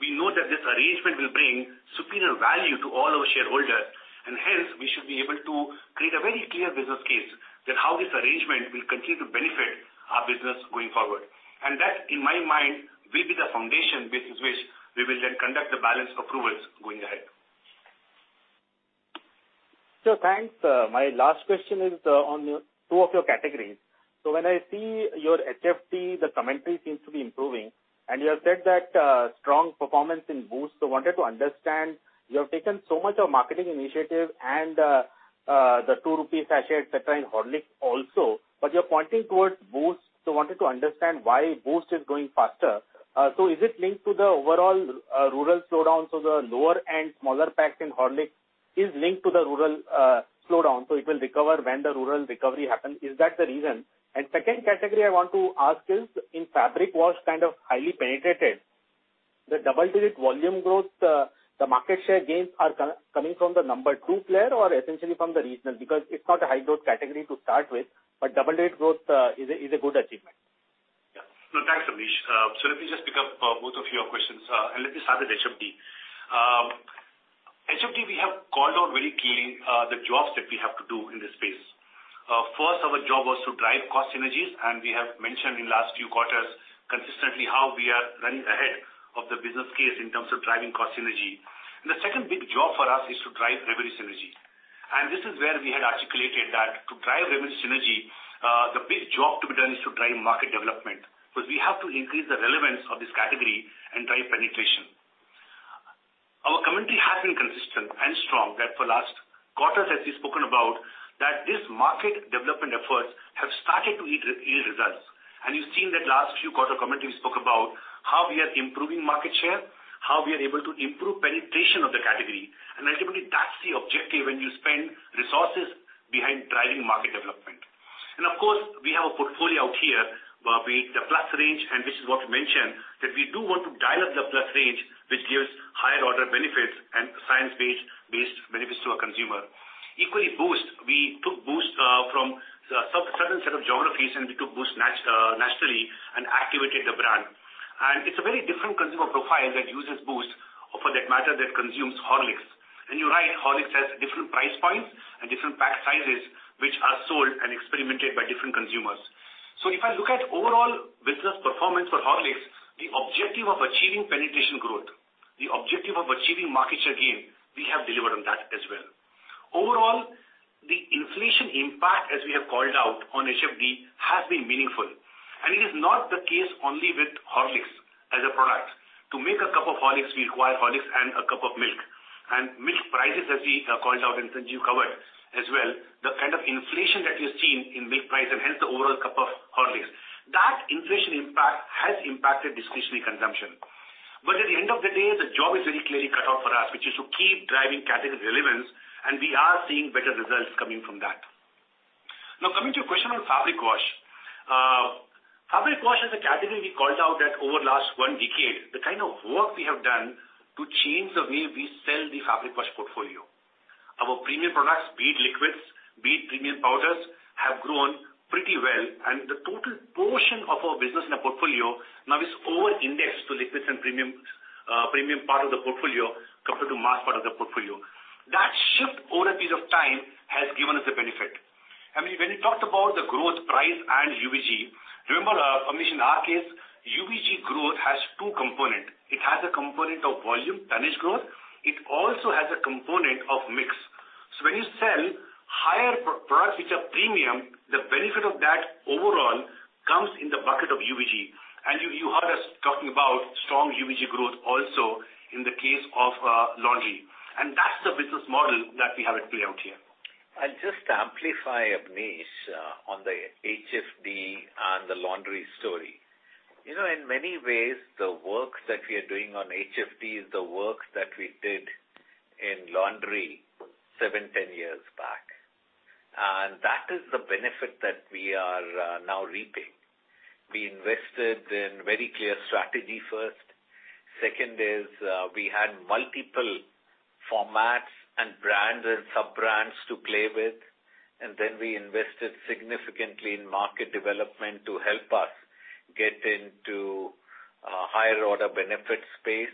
we know that this arrangement will bring superior value to all our shareholders, hence we should be able to create a very clear business case that how this arrangement will continue to benefit our business going forward. That, in my mind, will be the foundation basis which we will then conduct the balance approvals going ahead. Sir, thanks. My last question is on two of your categories. When I see your HFD, the commentary seems to be improving, and you have said that strong performance in Boost. Wanted to understand, you have taken so much of marketing initiative and the 2 rupees sachets, et cetera, in Horlicks also, but you're pointing towards Boost. Wanted to understand why Boost is growing faster. Is it linked to the overall rural slowdown, so the lower-end smaller packs in Horlicks is linked to the rural slowdown, so it will recover when the rural recovery happens? Is that the reason? Second category I want to ask is, in fabric wash, kind of highly penetrated, the double-digit volume growth, the market share gains are co-coming from the number two player or essentially from the regional? It's not a high-growth category to start with, but double-digit growth is a good achievement. Yeah. No, thanks, Abneesh. Let me just pick up both of your questions, and let me start with HFD. HFD, we have called out very clearly the jobs that we have to do in this space. First our job was to drive cost synergies, and we have mentioned in last few quarters consistently how we are running ahead of the business case in terms of driving cost synergy. The second big job for us is to drive revenue synergy. This is where we had articulated that to drive revenue synergy, the big job to be done is to drive market development, because we have to increase the relevance of this category and drive penetration. Our commentary has been consistent and strong that for last quarters, as we've spoken about, that this market development efforts have started to yield results. You've seen that last few quarter commentary we spoke about how we are improving market share, how we are able to improve penetration of the category. Ultimately, that's the objective when you spend resources behind driving market development. Of course, we have a portfolio out here, be it the Plus range, and this is what we mentioned, that we do want to dial up the Plus range, which gives higher order benefits and science-based benefits to our consumer. Equally, Boost, we took Boost from a certain set of geographies, and we took Boost nationally and activated the brand. It's a very different consumer profile that uses Boost or for that matter, that consumes Horlicks. You're right, Horlicks has different price points and different pack sizes which are sold and experimented by different consumers. If I look at overall business performance for Horlicks, the objective of achieving penetration growth, the objective of achieving market share gain, we have delivered on that as well. Overall, the inflation impact, as we have called out on HFD, has been meaningful. It is not the case only with Horlicks as a product. To make a cup of Horlicks, we require Horlicks and a cup of milk. Milk prices, as we called out and Sanjiv covered as well, the kind of inflation that is seen in milk price and hence the overall cup of Horlicks, that inflation impact has impacted discretionary consumption. At the end of the day, the job is very clearly cut out for us, which is to keep driving category relevance, and we are seeing better results coming from that. Coming to your question on fabric wash. Fabric wash is a category we called out that over last one decade, the kind of work we have done to change the way we sell the fabric wash portfolio. Our premium products, be it liquids, be it premium powders, have grown pretty well, and the total portion of our business in our portfolio now is over-indexed to liquids and premium part of the portfolio compared to market. Shift over a piece of time has given us a benefit. I mean, when you talked about the growth price and UVG, remember, in our case, UVG growth has two component. It has a component of volume, tonnage growth. It also has a component of mix. When you sell higher products which are premium, the benefit of that overall comes in the bucket of UVG. You heard us talking about strong UVG growth also in the case of laundry. That's the business model that we have at play out here. I'll just amplify, Abneesh, on the HFD and the laundry story. You know, in many ways, the work that we are doing on HFD is the work that we did in laundry seven, 10 years back. That is the benefit that we are now reaping. We invested in very clear strategy first. Second is, we had multiple formats and brands and sub-brands to play with, and then we invested significantly in market development to help us get into higher order benefit space,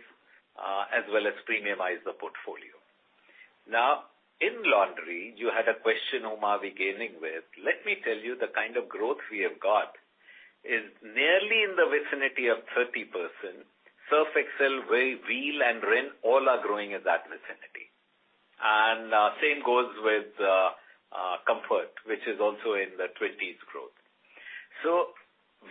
as well as premiumize the portfolio. Now, in laundry, you had a question, Omar, beginning with. Let me tell you, the kind of growth we have got is nearly in the vicinity of 30%. Surf Excel, Wheel, and Rin all are growing in that vicinity. Same goes with Comfort, which is also in the 20s growth.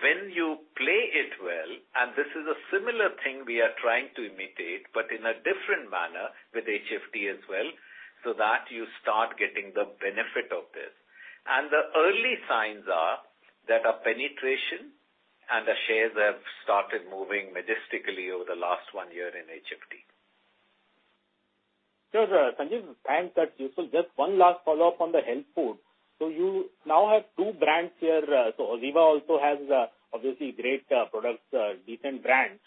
When you play it well, and this is a similar thing we are trying to imitate, but in a different manner with HFD as well, that you start getting the benefit of this. The early signs are that our penetration and the shares have started moving majestically over the last one year in HFD. Sure, Sanjiv. Thanks. That's useful. Just one last follow-up on the health food. You now have two brands here. OZiva also has obviously great products, decent brands.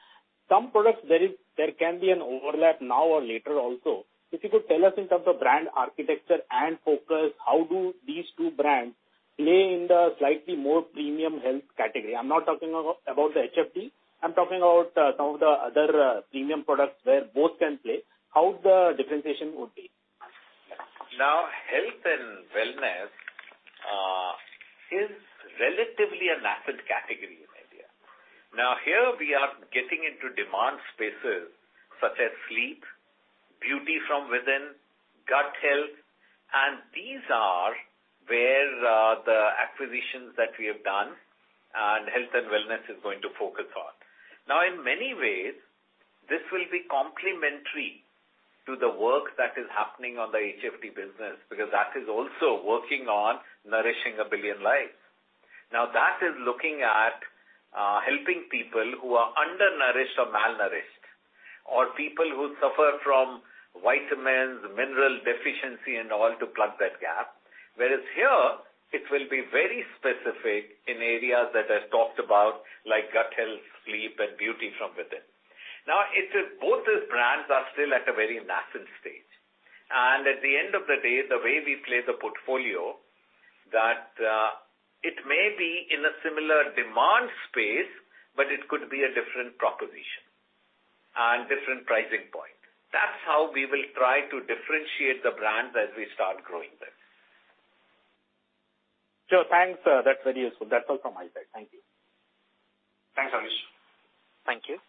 Some products there can be an overlap now or later also. If you could tell us in terms of brand architecture and focus, how do these two brands play in the slightly more premium health category? I'm not talking about the HFD. I'm talking about some of the other premium products where both can play. How the differentiation would be? Health and wellness is relatively a nascent category in India. Here we are getting into demand spaces such as sleep, beauty from within, gut health, and these are where the acquisitions that we have done and health and wellness is going to focus on. In many ways, this will be complementary to the work that is happening on the HFD business, because that is also working on nourishing a billion lives. That is looking at helping people who are undernourished or malnourished, or people who suffer from vitamins, mineral deficiency and all to plug that gap. Whereas here, it will be very specific in areas that I talked about, like gut health, sleep, and beauty from within. It is both these brands are still at a very nascent stage. At the end of the day, the way we play the portfolio, that, it may be in a similar demand space, but it could be a different proposition and different pricing point. That's how we will try to differentiate the brands as we start growing them. Sure. Thanks. That's very useful. That's all from my side. Thank you. Thanks, Abneesh. Thank you.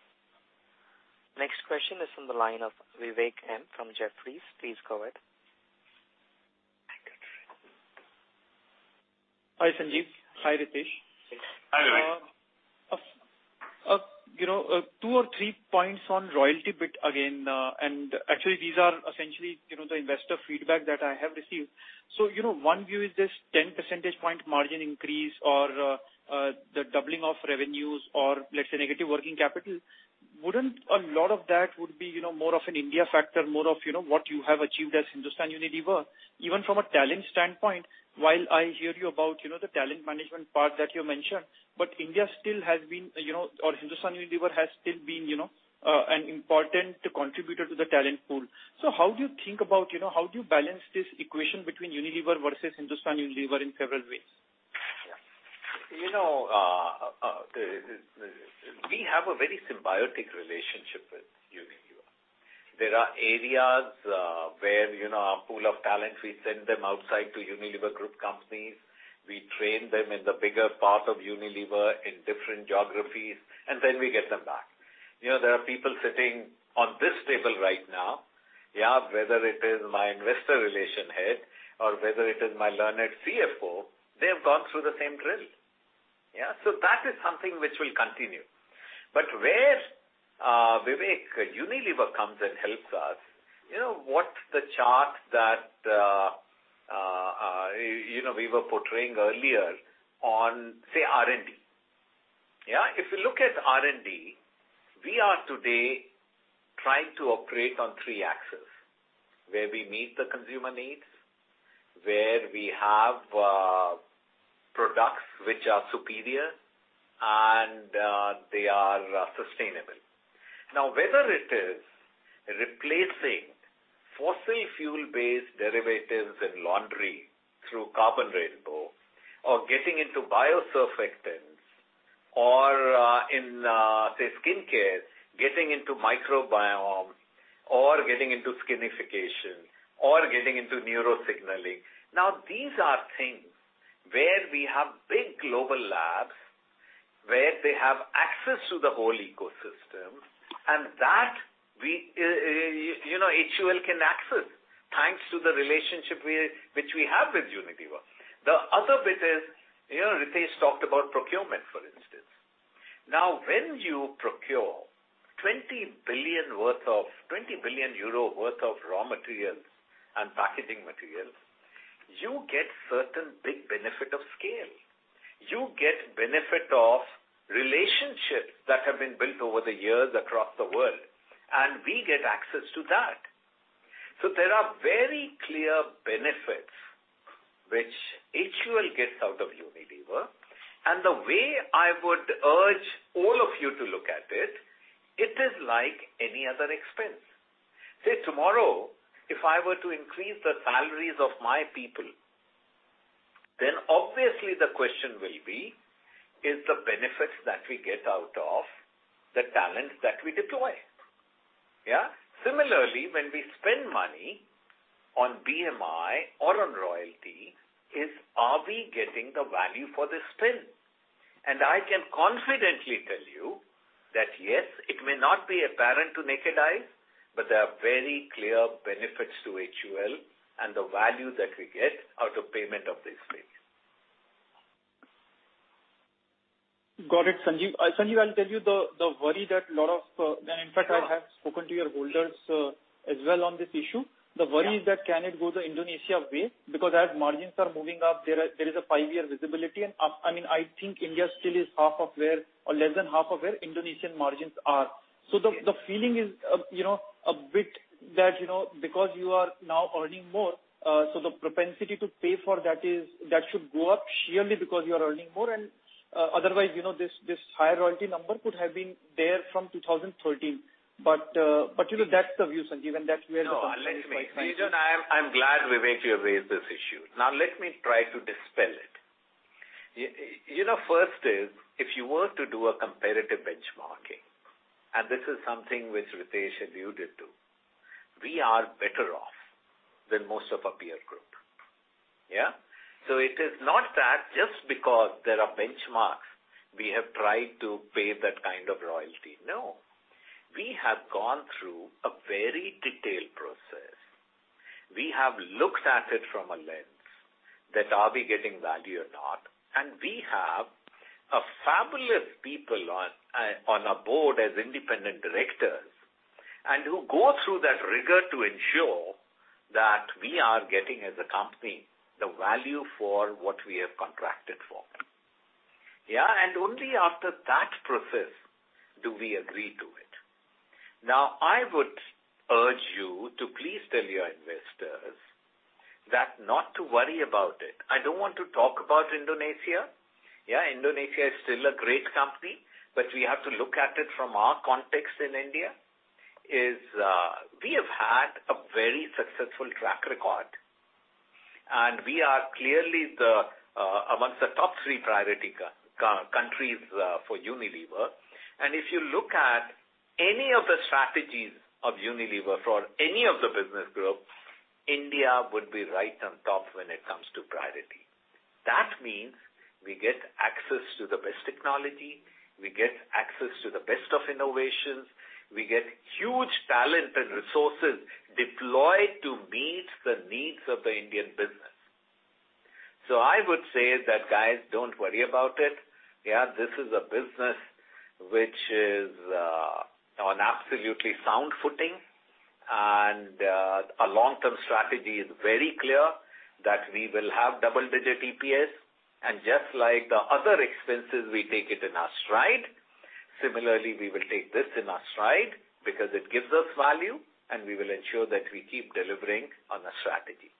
Next question is from the line of Vivek Maheshwari from Jefferies. Please go ahead. Hi, Sanjiv. Hi, Ritesh. Hi, Vivek. You know, two or three points on royalty bit again, and actually these are essentially, you know, the investor feedback that I have received. So, you know, one view is this 10 percentage point margin increase or the doubling of revenues or let's say negative working capital. Wouldn't a lot of that would be, you know, more of an India factor, more of, you know, what you have achieved as Hindustan Unilever? Even from a talent standpoint, while I hear you about, you know, the talent management part that you mentioned, but India still has been, you know, or Hindustan Unilever has still been, you know, an important contributor to the talent pool. So how do you think about, you know, how do you balance this equation between Unilever versus Hindustan Unilever in several ways? You know, we have a very symbiotic relationship with Unilever. There are areas, where, you know, our pool of talent, we send them outside to Unilever group companies. We train them in the bigger part of Unilever in different geographies, then we get them back. You know, there are people sitting on this table right now. Yeah, whether it is my investor relation head or whether it is my learned CFO, they have gone through the same drill. Yeah? That is something which will continue. Where, Vivek, Unilever comes and helps us, you know, what's the chart that, you know, we were portraying earlier on, say, R&D. Yeah? If you look at R&D, we are today trying to operate on three axes, where we meet the consumer needs, where we have products which are superior and they are sustainable. Whether it is replacing fossil fuel-based derivatives in laundry through Carbon Rainbow or getting into biosurfactants, or in, say, skincare, getting into microbiome or getting into skinification or getting into neurosignaling. These are things where we have big global labs, where they have access to the whole ecosystem and that we, you know, HUL can access thanks to the relationship we, which we have with Unilever. The other bit is, you know, Ritesh talked about procurement, for instance. When you procure 20 billion EUR worth of raw materials and packaging materials, you get certain big benefit of scale. You get benefit of relationships that have been built over the years across the world, and we get access to that. So there are very clear benefits which HUL gets out of Unilever. The way I would urge all of you to look at it is like any other expense. Say, tomorrow, if I were to increase the salaries of my people, then obviously the question will be, is the benefits that we get out of the talents that we deploy, yeah? Similarly, when we spend money on BMI or on royalty, are we getting the value for the spend? I can confidently tell you that, yes, it may not be apparent to naked eyes, but there are very clear benefits to HUL and the value that we get out of payment of this fee. Got it, Sanjiv. Sanjiv, I'll tell you the worry that a lot of in fact, I have spoken to your holders as well on this issue. The worry is that can it go the Indonesia way? As margins are moving up, there is a five year visibility. I mean, I think India still is half of where or less than half of where Indonesian margins are. The feeling is, you know, a bit that, you know, because you are now earning more, so the propensity to pay for that should go up sheerly because you are earning more. Otherwise, you know, this higher royalty number could have been there from 2013. You know, that's the view, Sanjiv. That's where the concern is quite high. No, let me Tejas, I am glad, Vivek, you raised this issue. Let me try to dispel it. You know, first is, if you were to do a comparative benchmarking, and this is something which Ritesh alluded to, we are better off than most of our peer group, yeah? It is not that just because there are benchmarks, we have tried to pay that kind of royalty. No. We have gone through a very detailed process. We have looked at it from a lens that are we getting value or not? We have a fabulous people on our board as independent directors and who go through that rigor to ensure that we are getting, as a company, the value for what we have contracted for, yeah? Only after that process do we agree to it. I would urge you to please tell your investors that not to worry about it. I don't want to talk about Indonesia, yeah. Indonesia is still a great company, but we have to look at it from our context in India, we have had a very successful track record, and we are clearly the amongst the top three priority countries for Unilever. If you look at any of the strategies of Unilever for any of the business groups, India would be right on top when it comes to priority. That means we get access to the best technology, we get access to the best of innovations, we get huge talent and resources deployed to meet the needs of the Indian business. I would say that, guys, don't worry about it. This is a business which is on absolutely sound footing, and our long-term strategy is very clear that we will have double-digit EPS. Just like the other expenses, we take it in our stride. Similarly, we will take this in our stride because it gives us value, and we will ensure that we keep delivering on our strategy.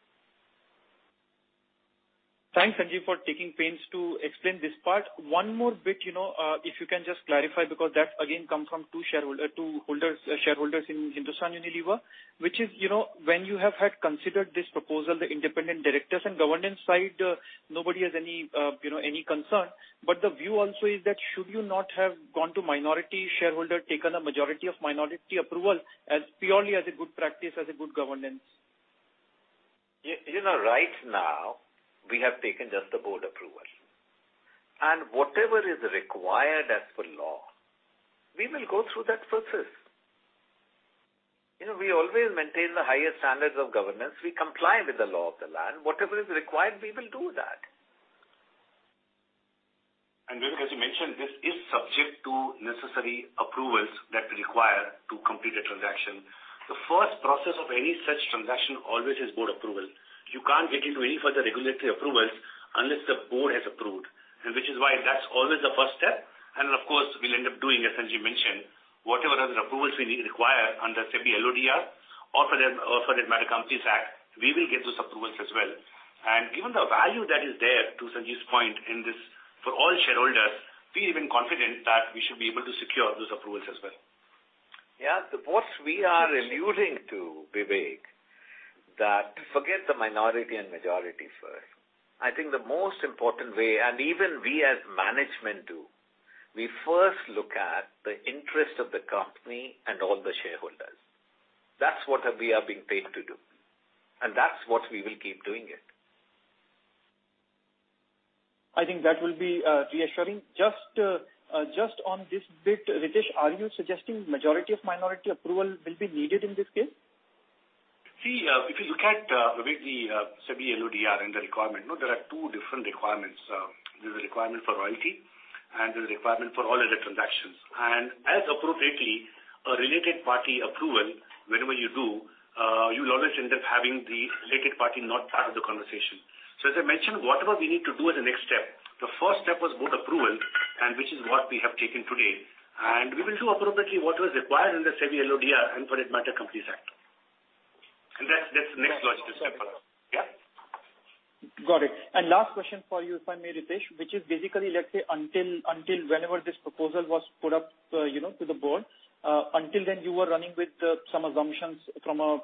Thanks, Sanjiv, for taking pains to explain this part. One more bit, you know, if you can just clarify, because that again comes from two shareholders in Hindustan Unilever, which is, you know, when you have had considered this proposal, the independent directors and governance side, nobody has any, you know, any concern. The view also is that should you not have gone to minority shareholder, taken a majority of minority approval as purely as a good practice, as a good governance? You know, right now we have taken just the board approval. Whatever is required as per law, we will go through that process. You know, we always maintain the highest standards of governance. We comply with the law of the land. Whatever is required, we will do that. Vivek, as you mentioned, this is subject to necessary approvals that require to complete a transaction. The first process of any such transaction always is board approval. You can't get into any further regulatory approvals unless the board has approved. Which is why that's always the first step. Of course, we'll end up doing, as Sanjiv mentioned, whatever other approvals we require under SEBI LODR or for the Companies Act, we will get those approvals as well. Given the value that is there, to Sanjiv's point, in this for all shareholders, we're even confident that we should be able to secure those approvals as well. Yeah. The boards we are alluding to, Vivek, that forget the minority and majority first. I think the most important way, and even we as management do, we first look at the interest of the company and all the shareholders. That's what we are being paid to do, and that's what we will keep doing it. I think that will be reassuring. Just on this bit, Ritesh, are you suggesting majority of minority approval will be needed in this case? See, if you look at Vivek, the SEBI LODR and the requirement, no, there are two different requirements. There's a requirement for royalty and there's a requirement for all other transactions. As appropriately, a related party approval, whenever you do, you will always end up having the related party not part of the conversation. As I mentioned, whatever we need to do as a next step, the first step was board approval and which is what we have taken today. We will do appropriately what was required in the SEBI LODR and for as matter Companies Act. That's the next logical step for us. Yeah. Got it. Last question for you, if I may, Ritesh, which is basically, let's say until whenever this proposal was put up to the board, until then you were running with some assumptions from a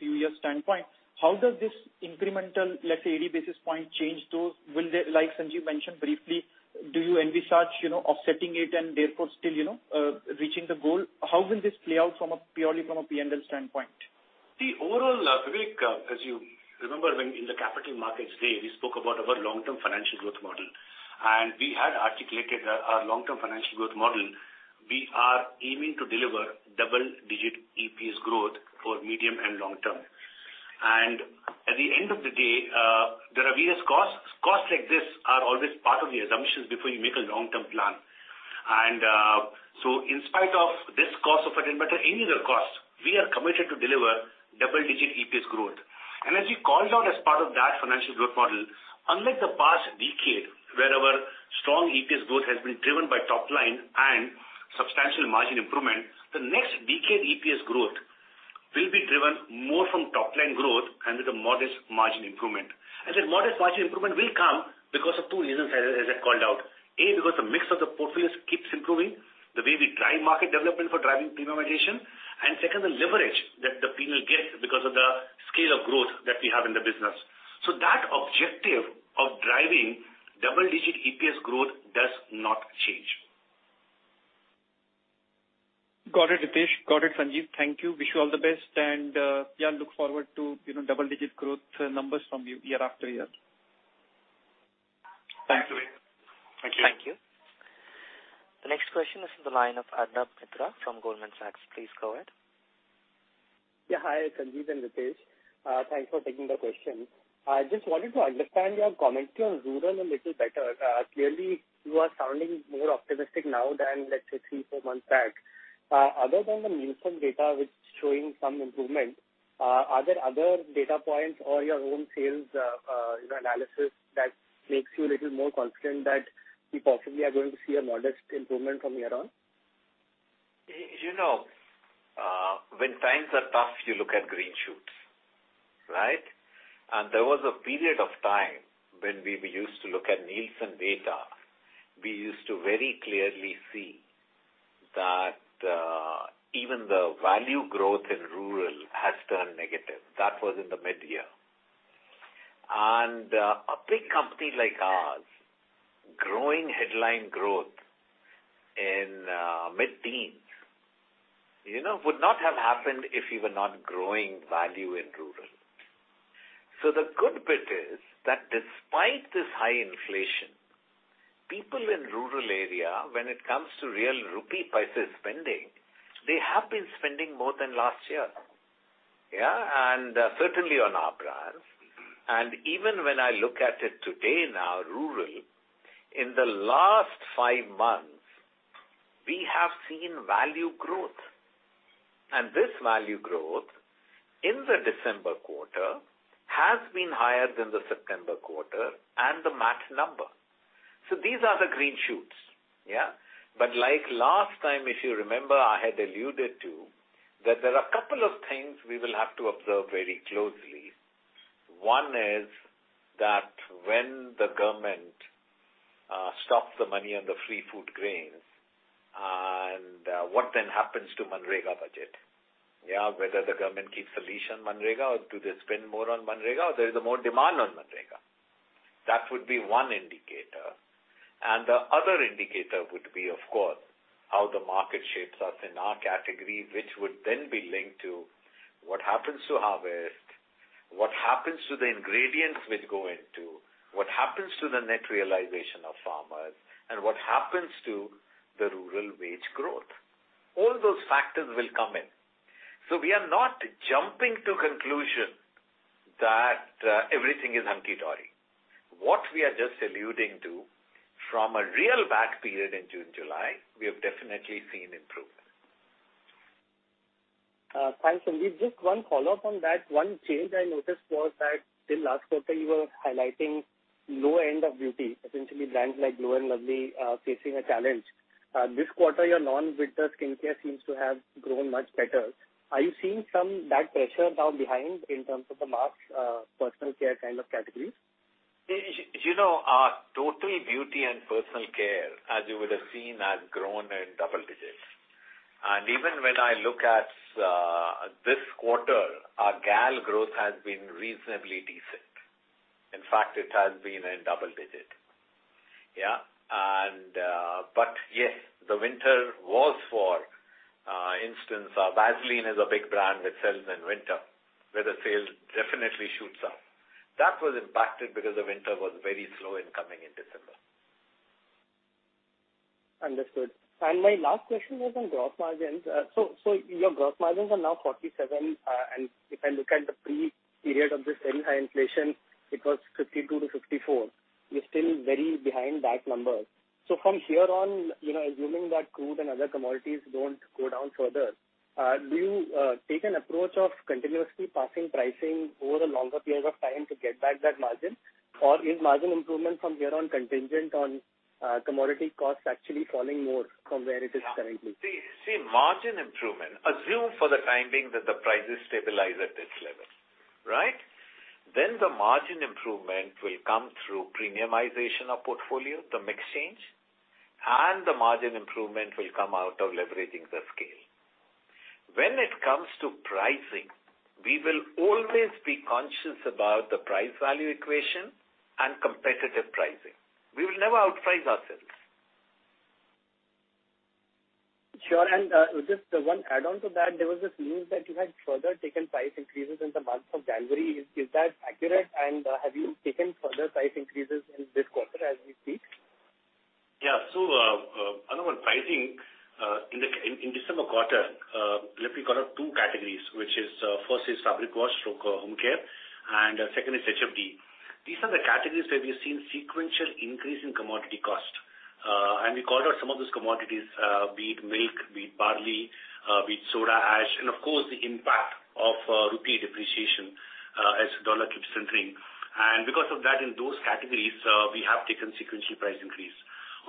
few year standpoint. How does this incremental, let's say, 80 basis points change to will there like Sanjiv mentioned briefly, do you envisage, you know, offsetting it and therefore still, you know, reaching the goal? How will this play out from a purely from a PNL standpoint? See overall, Vivek, as you remember when in the capital markets day, we spoke about our long-term financial growth model, and we had articulated our long-term financial growth model. We are aiming to deliver double-digit EPS growth for medium and long term. At the end of the day, there are various costs. Costs like this are always part of the assumptions before you make a long-term plan. In spite of this cost of a matter, any other cost, we are committed to deliver double-digit EPS growth. As we called out as part of that financial growth model, unlike the past decade where our strong EPS growth has been driven by top line and substantial margin improvement, the next decade EPS growth will be driven more from top line growth and with a modest margin improvement. The modest margin improvement will come because of two reasons as I called out. A, because the mix of the portfolios keeps improving the way we drive market development for driving premiumization. Second, the leverage that the premium gets because of the scale of growth that we have in the business. That objective of driving double-digit EPS growth does not change. Got it, Ritesh. Got it, Sanjiv. Thank you. Wish you all the best. Yeah, look forward to, you know, double-digit growth numbers from you year after year. Thanks, Vivek. Thank you. Thank you. The next question is from the line of Arnab Mitra from Goldman Sachs. Please go ahead. Yeah. Hi, Sanjiv Mehta and Ritesh Tiwari. Thanks for taking the question. I just wanted to understand your commentary on rural a little better. Clearly you are sounding more optimistic now than let's say three, four months back. Other than the Nielsen data which is showing some improvement, are there other data points or your own sales, you know, analysis that makes you a little more confident that we possibly are going to see a modest improvement from here on? You know, when times are tough, you look at green shoots, right? There was a period of time when we used to look at Nielsen data. We used to very clearly see that, even the value growth in rural has turned negative. That was in the mid-year. A big company like ours growing headline growth in, mid-teens, you know, would not have happened if we were not growing value in rural. The good bit is that despite this high inflation, people in rural area, when it comes to real rupee prices spending, they have been spending more than last year. Yeah. Certainly on our brands. Even when I look at it today now rural, in the last five months we have seen value growth. This value growth in the December quarter has been higher than the September quarter and the math number. These are the green shoots. Yeah. Like last time, if you remember, I had alluded to that there are a couple of things we will have to observe very closely. One is that when the government stops the money on the free food grains and what then happens to MGNREGA budget? Yeah. Whether the government keeps the leash on MGNREGA or do they spend more on MGNREGA, or there is more demand on MGNREGA. That would be one indicator. The other indicator would be, of course, how the market shapes us in our category, which would then be linked to what happens to harvest, what happens to the ingredients which go into, what happens to the net realization of farmers, and what happens to the rural wage growth. All those factors will come in. We are not jumping to conclusion that everything is hunky dory. What we are just alluding to from a real back period in June, July, we have definitely seen improvement. Thanks, Sanjiv. Just one follow-up on that. One change I noticed was that till last quarter you were highlighting low end of beauty, essentially brands like Glow & Lovely, facing a challenge. This quarter, your non-winter skincare seems to have grown much better. Are you seeing some that pressure now behind in terms of the mass personal care kind of categories? You know, our total beauty and personal care, as you would have seen, has grown in double digits. Even when I look at this quarter, our gal growth has been reasonably decent. In fact, it has been in double digit. Yeah. Yes, the winter was for instance, our Vaseline is a big brand that sells in winter, where the sales definitely shoots up. That was impacted because the winter was very slow in coming in December. Understood. My last question was on gross margins. So your gross margins are now 47%, and if I look at the pre-period of this very high inflation, it was 52%-54%. You're still very behind that number. From here on, you know, assuming that crude and other commodities don't go down further, do you take an approach of continuously passing pricing over a longer period of time to get back that margin? Or is margin improvement from here on contingent on commodity costs actually falling more from where it is currently? See, margin improvement, assume for the time being that the prices stabilize at this level, right? The margin improvement will come through premiumization of portfolio, the mix change, and the margin improvement will come out of leveraging the scale. When it comes to pricing, we will always be conscious about the price value equation and competitive pricing. We will never outprice ourselves. Sure. Just one add-on to that, there was this news that you had further taken price increases in the month of January. Is that accurate? Have you taken further price increases in this quarter as we speak? Yeah. Anuman, pricing in December quarter, let me call out two categories, which is first is fabric wash through home care, and second is HFD. These are the categories where we've seen sequential increase in commodity cost. We called out some of those commodities, be it milk, be it barley, be it soda ash, and of course, the impact of rupee depreciation, as dollar keeps centering. Because of that, in those categories, we have taken sequential price increase.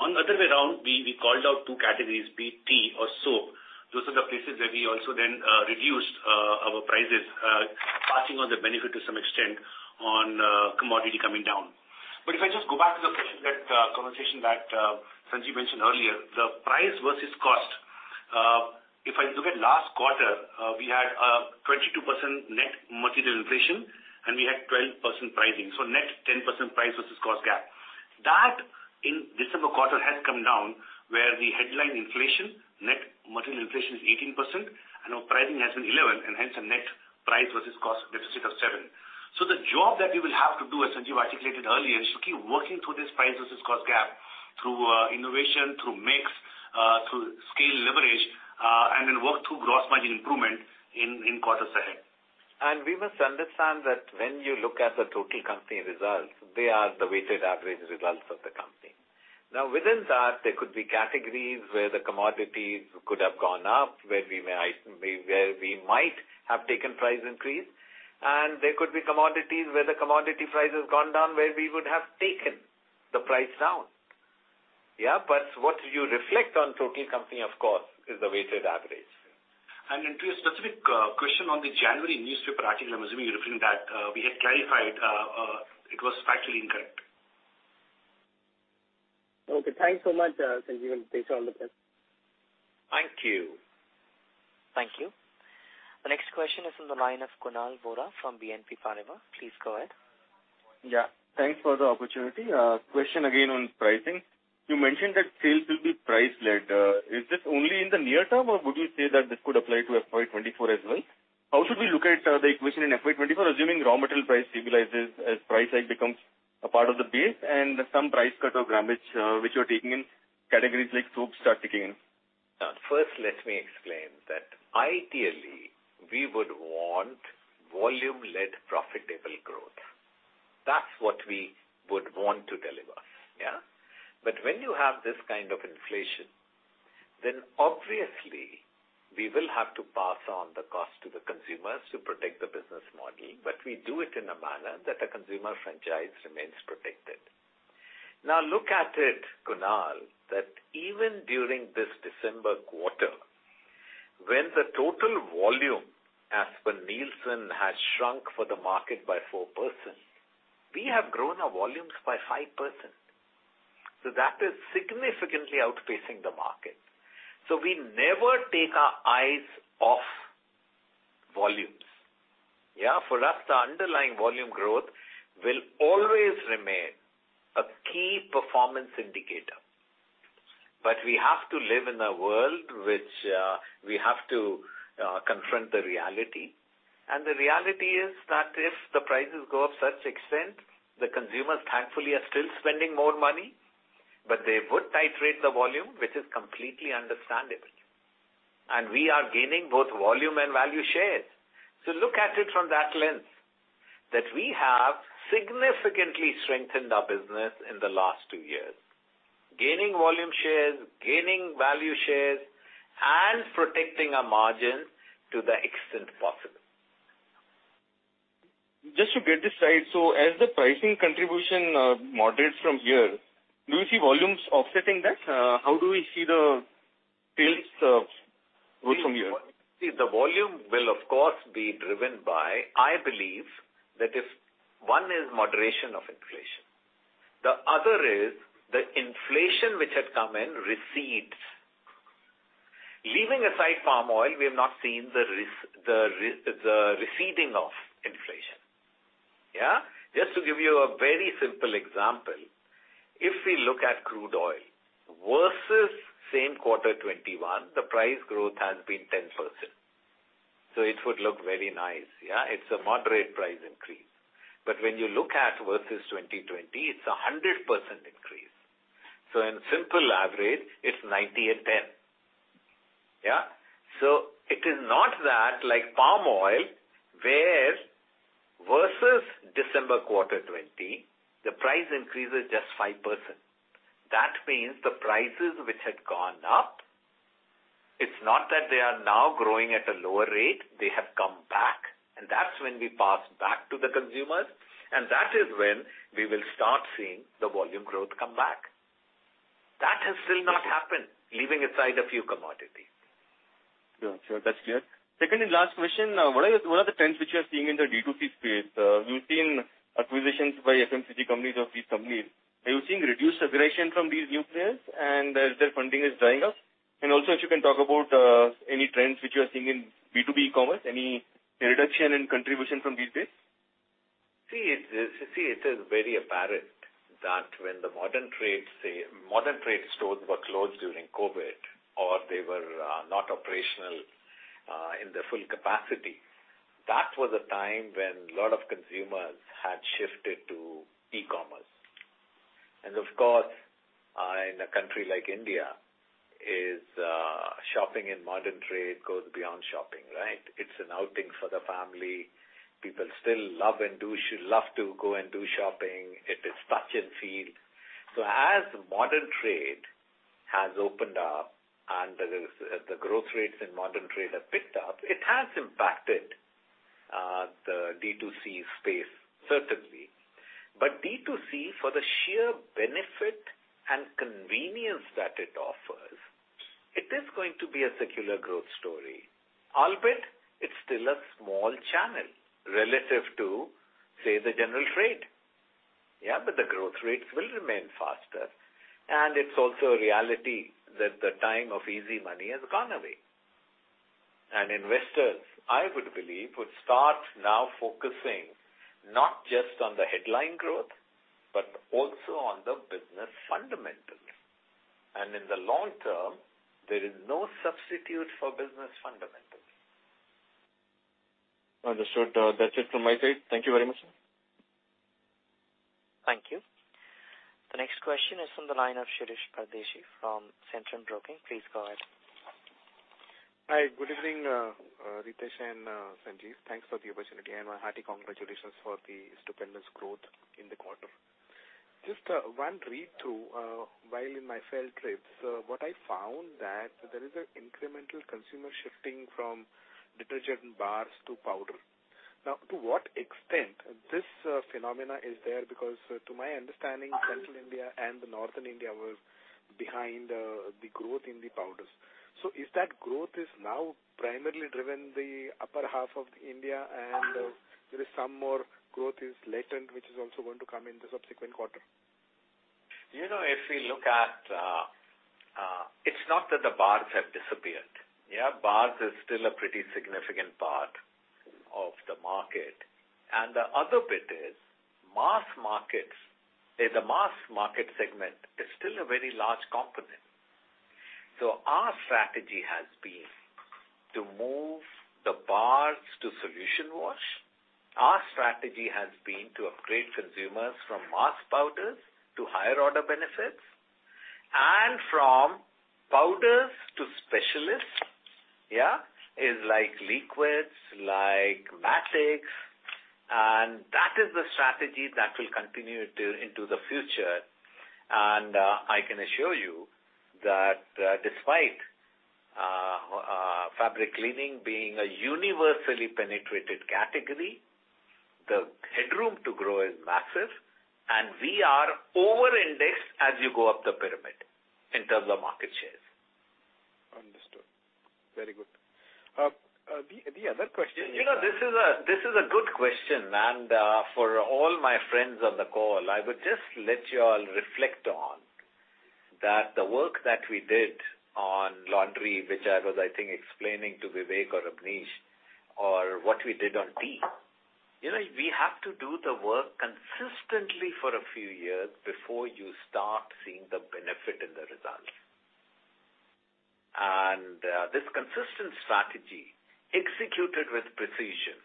On other way around, we called out two categories, be it tea or soap. Those are the places where we also then reduced our prices, passing on the benefit to some extent on commodity coming down. If I just go back to the question that, conversation that, Sanjiv mentioned earlier, the price versus cost. If I look at last quarter, we had 22% net material inflation, and we had 12% pricing. Net 10% price versus cost gap. That in December quarter has come down, where the headline inflation, net material inflation is 18% and our pricing has been 11%, and hence a net price versus cost deficit of 7%. The job that we will have to do, as Sanjiv articulated earlier, is to keep working through this price versus cost gap through innovation, through mix, through scale leverage, and then work through gross margin improvement in quarters ahead. We must understand that when you look at the total company results, they are the weighted average results of the company. Now, within that, there could be categories where the commodities could have gone up, where we might have taken price increase. There could be commodities where the commodity price has gone down, where we would have taken the price down. What you reflect on total company, of course, is the weighted average. Into a specific question on the January newspaper article, I'm assuming you're referring that we had clarified it was factually incorrect. Okay, thanks so much, Sanjiv, and thanks for all the help. Thank you. Thank you. The next question is from the line of Kunal Vora from BNP Paribas. Please go ahead. Yeah, thanks for the opportunity. Question again on pricing. You mentioned that sales will be price-led. Is this only in the near term, or would you say that this could apply to FY 2024 as well? How should we look at the equation in FY 2024, assuming raw material price stabilizes as price hike becomes a part of the base and some price cut or damage, which you're taking in categories like soap start ticking in? First let me explain that ideally, we would want volume-led profitable growth. That's what we would want to deliver. When you have this kind of inflation, then obviously we will have to pass on the cost to the consumers to protect the business model, but we do it in a manner that the consumer franchise remains protected. Look at it, Kunal, that even during this December quarter, when the total volume as per Nielsen has shrunk for the market by 4%, we have grown our volumes by 5%. That is significantly outpacing the market. We never take our eyes off volumes. For us, the underlying volume growth will always remain a key performance indicator. We have to live in a world which we have to confront the reality. The reality is that if the prices go up such extent, the consumers thankfully are still spending more money, but they would titrate the volume, which is completely understandable. We are gaining both volume and value shares. Look at it from that lens, that we have significantly strengthened our business in the last two years, gaining volume shares, gaining value shares, and protecting our margins to the extent possible. Just to get this right, so as the pricing contribution moderates from here, do you see volumes offsetting that? How do we see the sales? The volume will of course be driven by, I believe that if one is moderation of inflation, the other is the inflation which had come in recedes. Leaving aside palm oil, we have not seen the receding of inflation. Just to give you a very simple example, if we look at crude oil versus same quarter 2021, the price growth has been 10%. It would look very nice. It's a moderate price increase. When you look at versus 2020, it's a 100% increase. In simple average, it's 90 and 10. It is not that like palm oil, where versus December quarter 2020, the price increase is just 5%. That means the prices which had gone up, it's not that they are now growing at a lower rate. They have come back. That's when we pass back to the consumers. That is when we will start seeing the volume growth come back. That has still not happened, leaving aside a few commodities. Sure, sure. That's clear. Second and last question, what are the trends which you are seeing in the D2C space? We've seen acquisitions by FMCG companies or these companies. Are you seeing reduced aggression from these new players and their funding is drying up? Also if you can talk about any trends which you are seeing in B2B e-commerce, any reduction in contribution from these days? It is very apparent that when the modern trade, say, modern trade stores were closed during COVID, or they were not operational in their full capacity, that was a time when a lot of consumers had shifted to e-commerce. Of course, in a country like India is shopping in modern trade goes beyond shopping, right? It's an outing for the family. People still love to go and do shopping. It is touch and feel. As modern trade has opened up and the growth rates in modern trade have picked up, it has impacted the D2C space, certainly. D2C, for the sheer benefit and convenience that it offers, it is going to be a secular growth story. Albeit, it's still a small channel relative to, say, the general trade. Yeah, the growth rates will remain faster. It's also a reality that the time of easy money has gone away. Investors, I would believe, would start now focusing not just on the headline growth, but also on the business fundamentals. In the long term, there is no substitute for business fundamentals. Understood. That's it from my side. Thank you very much, sir. Thank you. The next question is from the line of Shirish Pardeshi from Centrum Broking. Please go ahead. Hi. Good evening, Ritesh and Sanjiv. Thanks for the opportunity and my hearty congratulations for the stupendous growth in the quarter. Just, one read through, while in my field trips, what I found that there is an incremental consumer shifting from detergent bars to powder. Now, to what extent this phenomena is there because to my understanding, Central India and the Northern India were behind the growth in the powders. Is that growth is now primarily driven the upper half of India and there is some more growth is latent, which is also going to come in the subsequent quarter? You know, if we look at, It's not that the bars have disappeared. Yeah, bars is still a pretty significant part of the market. The other bit is mass markets. In the mass market segment, it's still a very large component. Our strategy has been to move the bars to solution wash. Our strategy has been to upgrade consumers from mass powders to higher order benefits and from powders to specialists, yeah, is like liquids, like Matic. That is the strategy that will continue to into the future. I can assure you that, despite fabric cleaning being a universally penetrated category, the headroom to grow is massive, and we are over indexed as you go up the pyramid in terms of market shares. Understood. Very good. The other question. You know, this is a good question. For all my friends on the call, I would just let you all reflect on that the work that we did on laundry, which I was, I think, explaining to Vivek or Abneesh, or what we did on tea. You know, we have to do the work consistently for a few years before you start seeing the benefit in the results. This consistent strategy executed with precision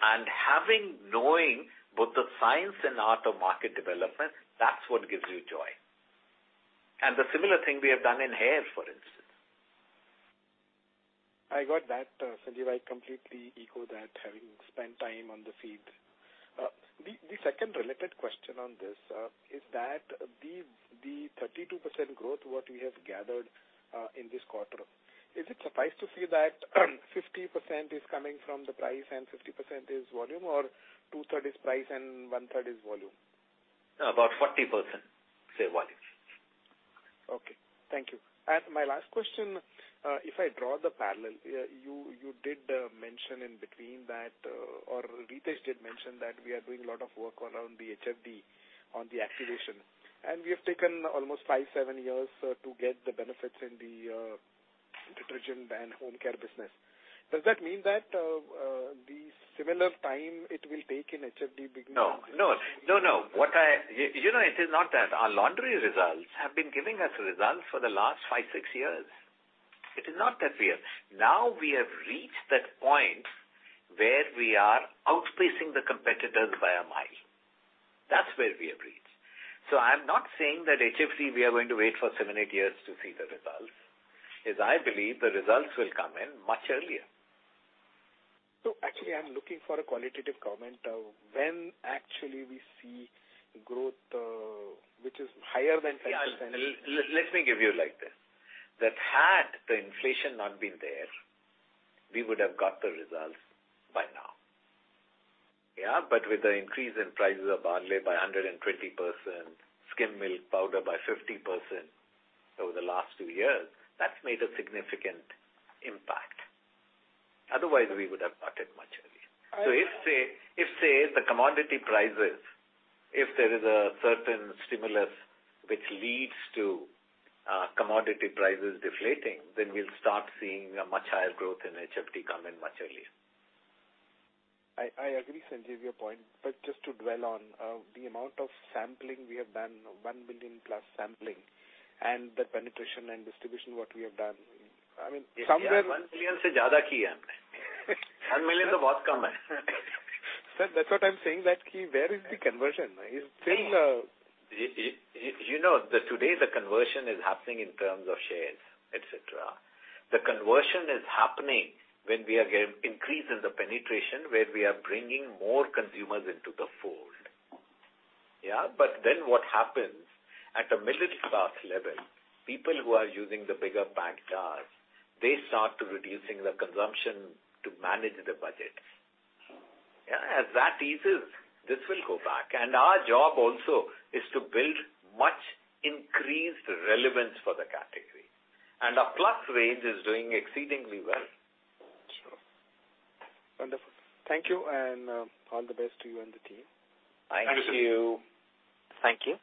and having knowing both the science and art of market development, that's what gives you joy. The similar thing we have done in hair, for instance. I got that, Sanjiv. I completely echo that, having spent time on the field. The second related question on this is that the 32% growth, what we have gathered, in this quarter, is it suffice to say that 50% is coming from the price and 50% is volume or 2/3 is price and 1/3 is volume? About 40%, say, Walid. Okay. Thank you. My last question, if I draw the parallel, you did mention in between that or Ritesh did mention that we are doing a lot of work around the HFD on the activation, and we have taken almost five, seven years to get the benefits in the detergent and home care business. Does that mean that the similar time it will take in HFD? No, no. You know, it is not that. Our laundry results have been giving us results for the last five, six years. It is not that we are. Now we have reached that point where we are outspacing the competitors by a mile. That's where we have reached. I'm not saying that HFD we are going to wait for seven, eight years to see the results, is I believe the results will come in much earlier. Actually, I'm looking for a qualitative comment of when actually we see growth, which is higher than 10%. Yeah. Let me give you like this. That had the inflation not been there, we would have got the results by now. Yeah. With the increase in prices of vanaspati by 120%, skim milk powder by 50% over the last two years, that's made a significant impact. Otherwise, we would have got it much earlier. I- If, say, the commodity prices, if there is a certain stimulus which leads to commodity prices deflating, then we'll start seeing a much higher growth in HFD come in much earlier. I agree, Sanjiv, your point, but just to dwell on the amount of sampling we have done, one million plus sampling and the penetration and distribution, what we have done. INR 1 million. Sir, that's what I'm saying, that key, where is the conversion? It's still. you know, the today the conversion is happening in terms of shares, et cetera. The conversion is happening when we are getting increase in the penetration, where we are bringing more consumers into the fold. Yeah. What happens at a middle class level, people who are using the bigger packed jars, they start to reducing the consumption to manage the budget. Yeah. As that eases, this will go back. Our job also is to build much increased relevance for the category. Our Plus range is doing exceedingly well. Sure. Wonderful. Thank you, and all the best to you and the team. Thank you. Thank you.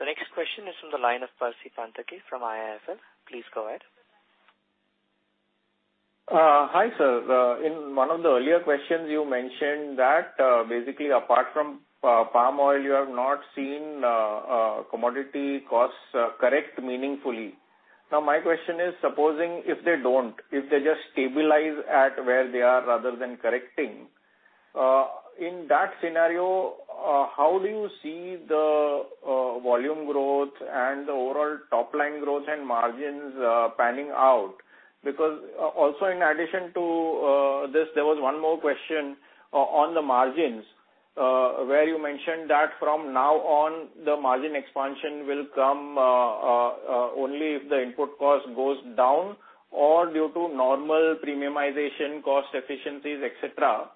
The next question is from the line of Percy Panthaki from IIFL. Please go ahead. Hi, sir. In one of the earlier questions you mentioned that basically apart from palm oil, you have not seen commodity costs correct meaningfully. Now, my question is, supposing if they don't, if they just stabilize at where they are rather than correcting, in that scenario, how do you see the volume growth and the overall top-line growth and margins panning out? Also in addition to this, there was one more question on the margins, where you mentioned that from now on, the margin expansion will come only if the input cost goes down or due to normal premiumization, cost efficiencies, et cetera.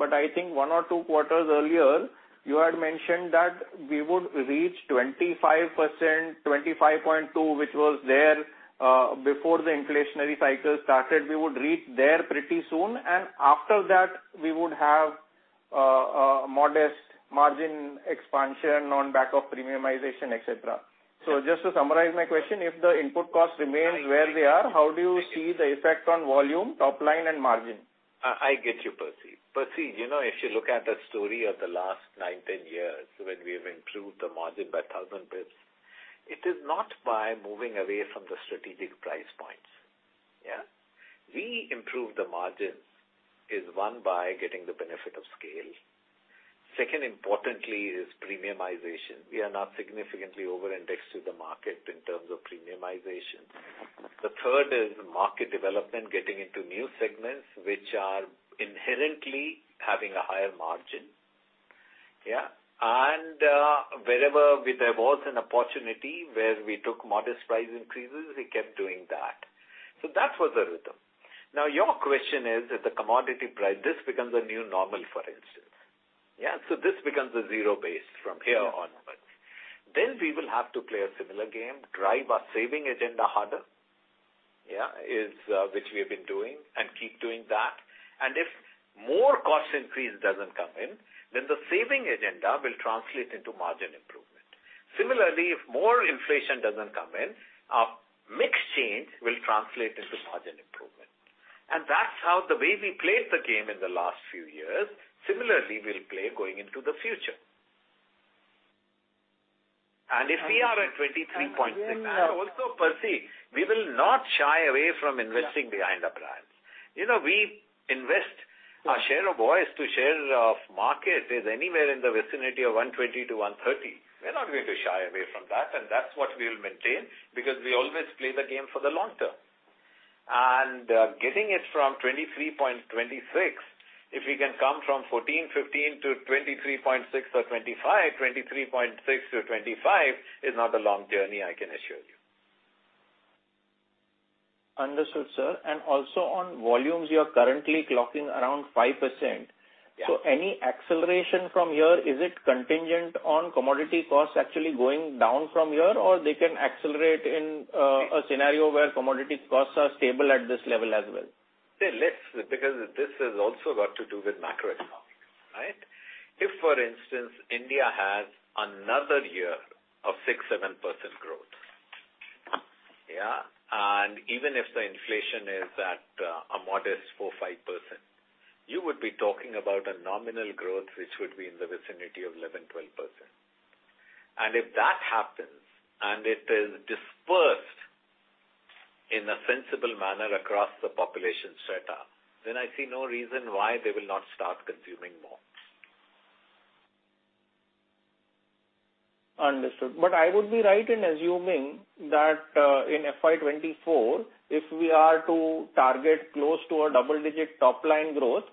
I think one or two quarters earlier, you had mentioned that we would reach 25%, 25.2, which was there before the inflationary cycle started. We would reach there pretty soon. After that, we would have modest margin expansion on back of premiumization, et cetera. Just to summarize my question, if the input costs remain where they are, how do you see the effect on volume, top line, and margin? I get you, Percy. Percy, you know, if you look at the story of the last nine, 10 years, when we have improved the margin by 1,000 basis points, it is not by moving away from the strategic price points. Yeah. We improve the margins is, one, by getting the benefit of scale. Second importantly is premiumization. We are not significantly over-indexed to the market in terms of premiumization. The third is market development, getting into new segments which are inherently having a higher margin. Yeah. Wherever there was an opportunity where we took modest price increases, we kept doing that. That was the rhythm. Your question is if the commodity price, this becomes a new normal, for instance. Yeah. This becomes a zero base from here onwards. We will have to play a similar game, drive our saving agenda harder, yeah, is which we have been doing, and keep doing that. If more cost increase doesn't come in, then the saving agenda will translate into margin improvement. Similarly, if more inflation doesn't come in, our mix change will translate into margin improvement. That's how the way we played the game in the last few years, similarly, we'll play going into the future. If we are at 23.6- And again- Also, Percy, we will not shy away from investing behind our brands. You know, we invest our share of voice to share of market is anywhere in the vicinity of 120-130. We're not going to shy away from that, and that's what we'll maintain because we always play the game for the long term. Getting it from 23.26, if we can come from 14, 15 to 23.6 or 25, 23.6-25 is not a long journey, I can assure you. Understood, sir. Also on volumes, you are currently clocking around 5%. Yeah. Any acceleration from here, is it contingent on commodity costs actually going down from here? Or they can accelerate in a scenario where commodity costs are stable at this level as well? Say less, because this has also got to do with macroeconomics, right? If, for instance, India has another year of 6%, 7% growth, yeah? Even if the inflation is at a modest 4%, 5%, you would be talking about a nominal growth, which would be in the vicinity of 11%, 12%. If that happens, and it is dispersed in a sensible manner across the population strata, then I see no reason why they will not start consuming more. Understood. I would be right in assuming that, in FY 2024, if we are to target close to a double-digit top line growth,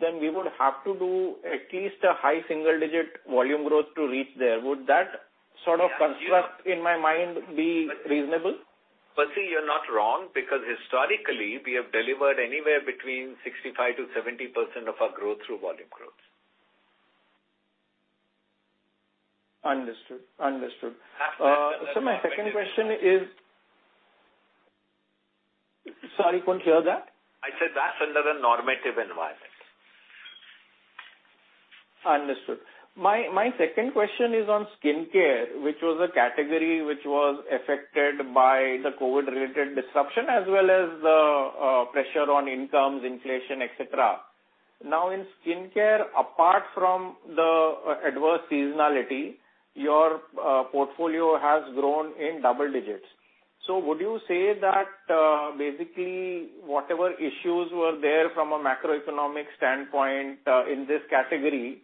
then we would have to do at least a high single-digit volume growth to reach there. Would that sort of construct in my mind be reasonable? See, you're not wrong, because historically, we have delivered anywhere between 65%-70% of our growth through volume growth. Understood. My second question is. Sorry, couldn't hear that. I said that's under the normative environment. Understood. My second question is on skincare, which was a category which was affected by the COVID-related disruption, as well as the pressure on incomes, inflation, et cetera. Now, in skincare, apart from the adverse seasonality, your portfolio has grown in double digits. Would you say that basically, whatever issues were there from a macroeconomic standpoint, in this category,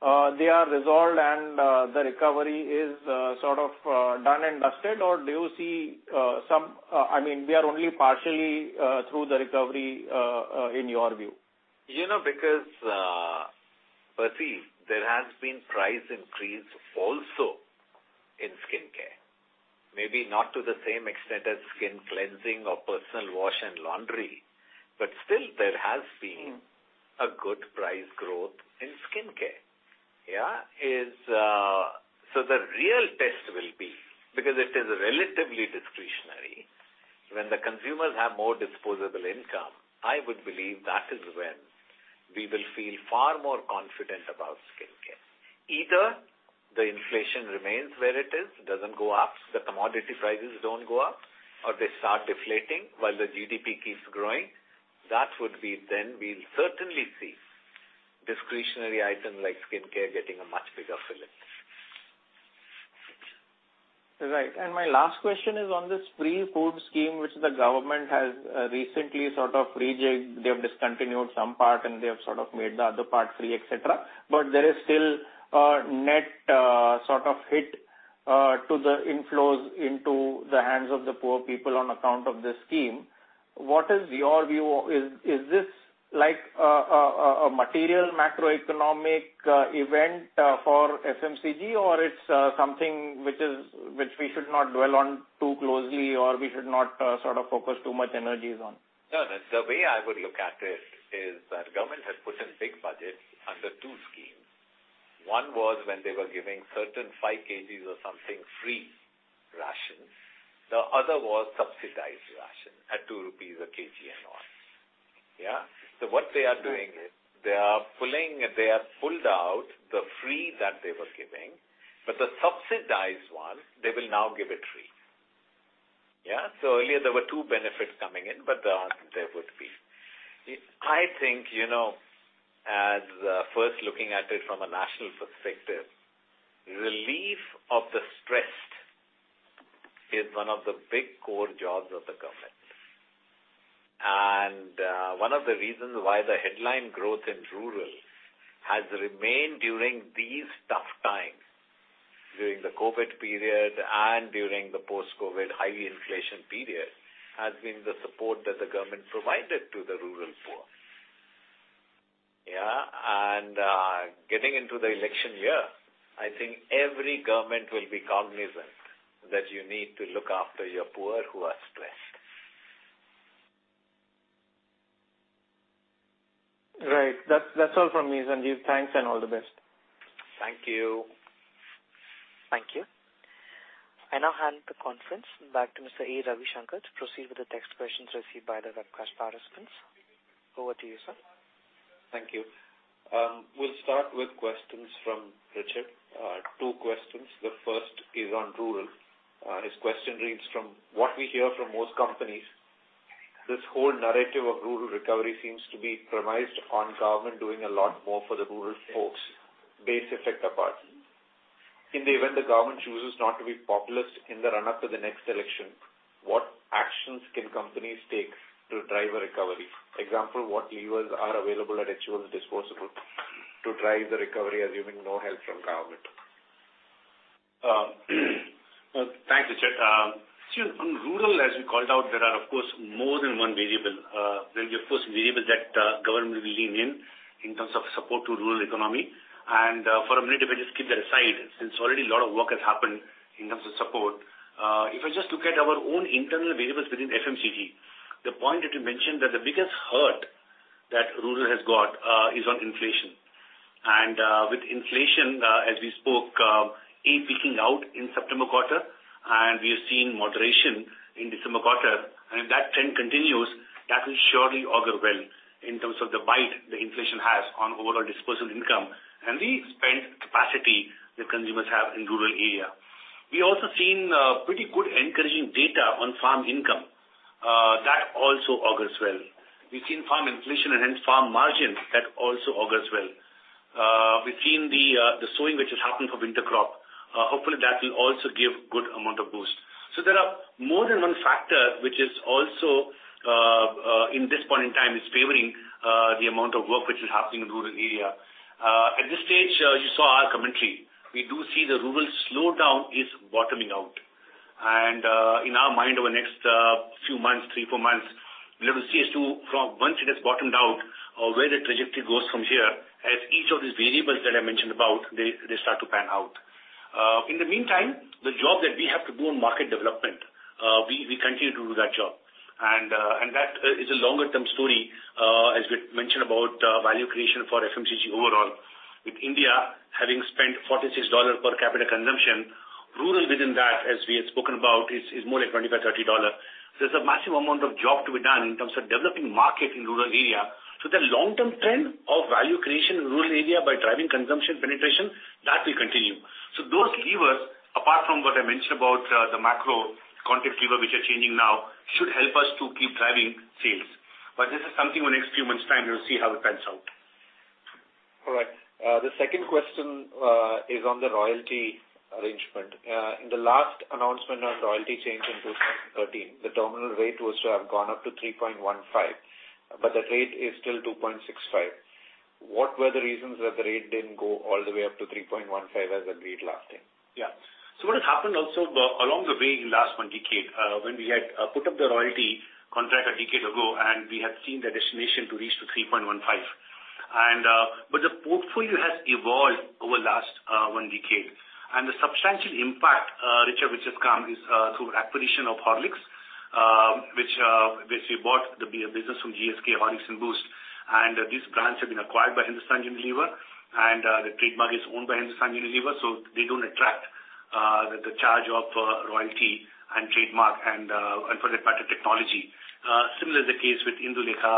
they are resolved and the recovery is sort of done and dusted? Or do you see some... I mean, we are only partially through the recovery in your view. You know, because, but see, there has been price increase also in skincare. Maybe not to the same extent as skin cleansing or personal wash and laundry, but still there has been. Mm-hmm. good price growth in skincare. Yeah. The real test will be, because it is relatively discretionary, when the consumers have more disposable income, I would believe that is when we will feel far more confident about skincare. Either the inflation remains where it is, it doesn't go up, the commodity prices don't go up, or they start deflating while the GDP keeps growing. That would be then we'll certainly see discretionary items like skincare getting a much bigger fillip. Right. And my last question is on this free food scheme, which the government has recently sort of reject. They have discontinued some part, and they have sort of made the other part free, et cetera. But there is still a sort of hit to the inflows into the hands of the poor people on account of this scheme. What is your view? Is, is this like a material macroeconomic event for FMCG or it's something which we should not dwell on too closely or we should not sort of focus too much energies on? No, the way I would look at it is that government has put in big budget under two schemes. One was when they were giving certain 5 kgs or something free rations. The other was subsidized ration at 2 rupees a kg and on. Yeah? What they are doing is they have pulled out the free that they were giving, but the subsidized one, they will now give it free. Yeah? Earlier, there were two benefits coming in, but I think, you know, as first looking at it from a national perspective, relief of the stressed is one of the big core jobs of the government. One of the reasons why the headline growth in rural has remained during these tough times, during the COVID period and during the post-COVID high inflation period, has been the support that the government provided to the rural poor. Getting into the election year, I think every government will be cognizant that you need to look after your poor who are stressed. Right. That's all from me, Sanjiv. Thanks and all the best. Thank you. Thank you. I now hand the conference back to Mr. A. Ravishankar to proceed with the text questions received by the webcast participants. Over to you, sir. Thank you. We'll start with questions from Richard. Two questions. The first is on rural. His question reads, "From what we hear from most companies, this whole narrative of rural recovery seems to be premised on government doing a lot more for the rural folks, base effect apart. In the event the government chooses not to be populist in the run-up to the next election, what actions can companies take to drive a recovery? Example, what levers are available at HUL's disposal to drive the recovery, assuming no help from government? Well, thanks, Richard. See, on rural, as you called out, there are of course more than one variable. There'll be, of course, variable that government will lean in. In terms of support to rural economy. For a minute, if I just keep that aside, since already a lot of work has happened in terms of support. If I just look at our own internal variables within FMCG, the point that you mentioned that the biggest hurt that rural has got, is on inflation. With inflation, as we spoke, it peaking out in September quarter, and we have seen moderation in December quarter. If that trend continues, that will surely augur well in terms of the bite that inflation has on overall disposable income, and the spend capacity that consumers have in rural area. We also seen pretty good encouraging data on farm income. That also augurs well. We've seen farm inflation and hence farm margin, that also augurs well. We've seen the sowing which has happened for winter crop. Hopefully, that will also give good amount of boost. There are more than one factor, which is also in this point in time is favoring the amount of work which is happening in rural area. At this stage, you saw our commentary. We do see the rural slowdown is bottoming out. In our mind over the next few months, three, four months, we'll be able to see as to from once it has bottomed out or where the trajectory goes from here, as each of these variables that I mentioned about, they start to pan out. In the meantime, the job that we have to do on market development, we continue to do that job. That is a longer-term story, as we mentioned about value creation for FMCG overall. With India having spent INR 46 per capita consumption, rural within that, as we had spoken about, is more like INR 25-30. There's a massive amount of job to be done in terms of developing market in rural area. The long-term trend of value creation in rural area by driving consumption penetration, that will continue. Those levers, apart from what I mentioned about the macro context lever which are changing now, should help us to keep driving sales. This is something in the next few months time, you'll see how it pans out. All right. The second question is on the royalty arrangement. In the last announcement on royalty change in 2013, the terminal rate was to have gone up to 3.15. The rate is still 2.65. What were the reasons that the rate didn't go all the way up to 3.15 as agreed last time? Yeah. What has happened also along the way in last one decade, when we had put up the royalty contract a decade ago, and we had seen the destination to reach to 3.15. The portfolio has evolved over last one decade. The substantial impact, Richard, which has come is through acquisition of Horlicks, which we bought the business from GSK, Horlicks, and Boost. These brands have been acquired by Hindustan Unilever, and the trademark is owned by Hindustan Unilever, so they don't attract the charge of royalty and trademark and for that matter, technology. Similar is the case with Indulekha.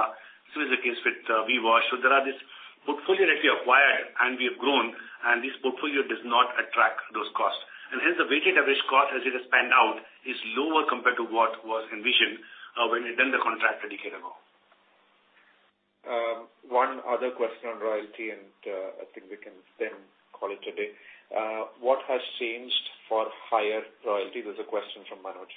Similar is the case with Vim. There are this portfolio that we acquired and we have grown, and this portfolio does not attract those costs. Hence, the weighted average cost as it has panned out is lower compared to what was envisioned, when we done the contract a decade ago. One other question on royalty, and I think we can then call it a day. What has changed for higher royalty? There's a question from Manoj.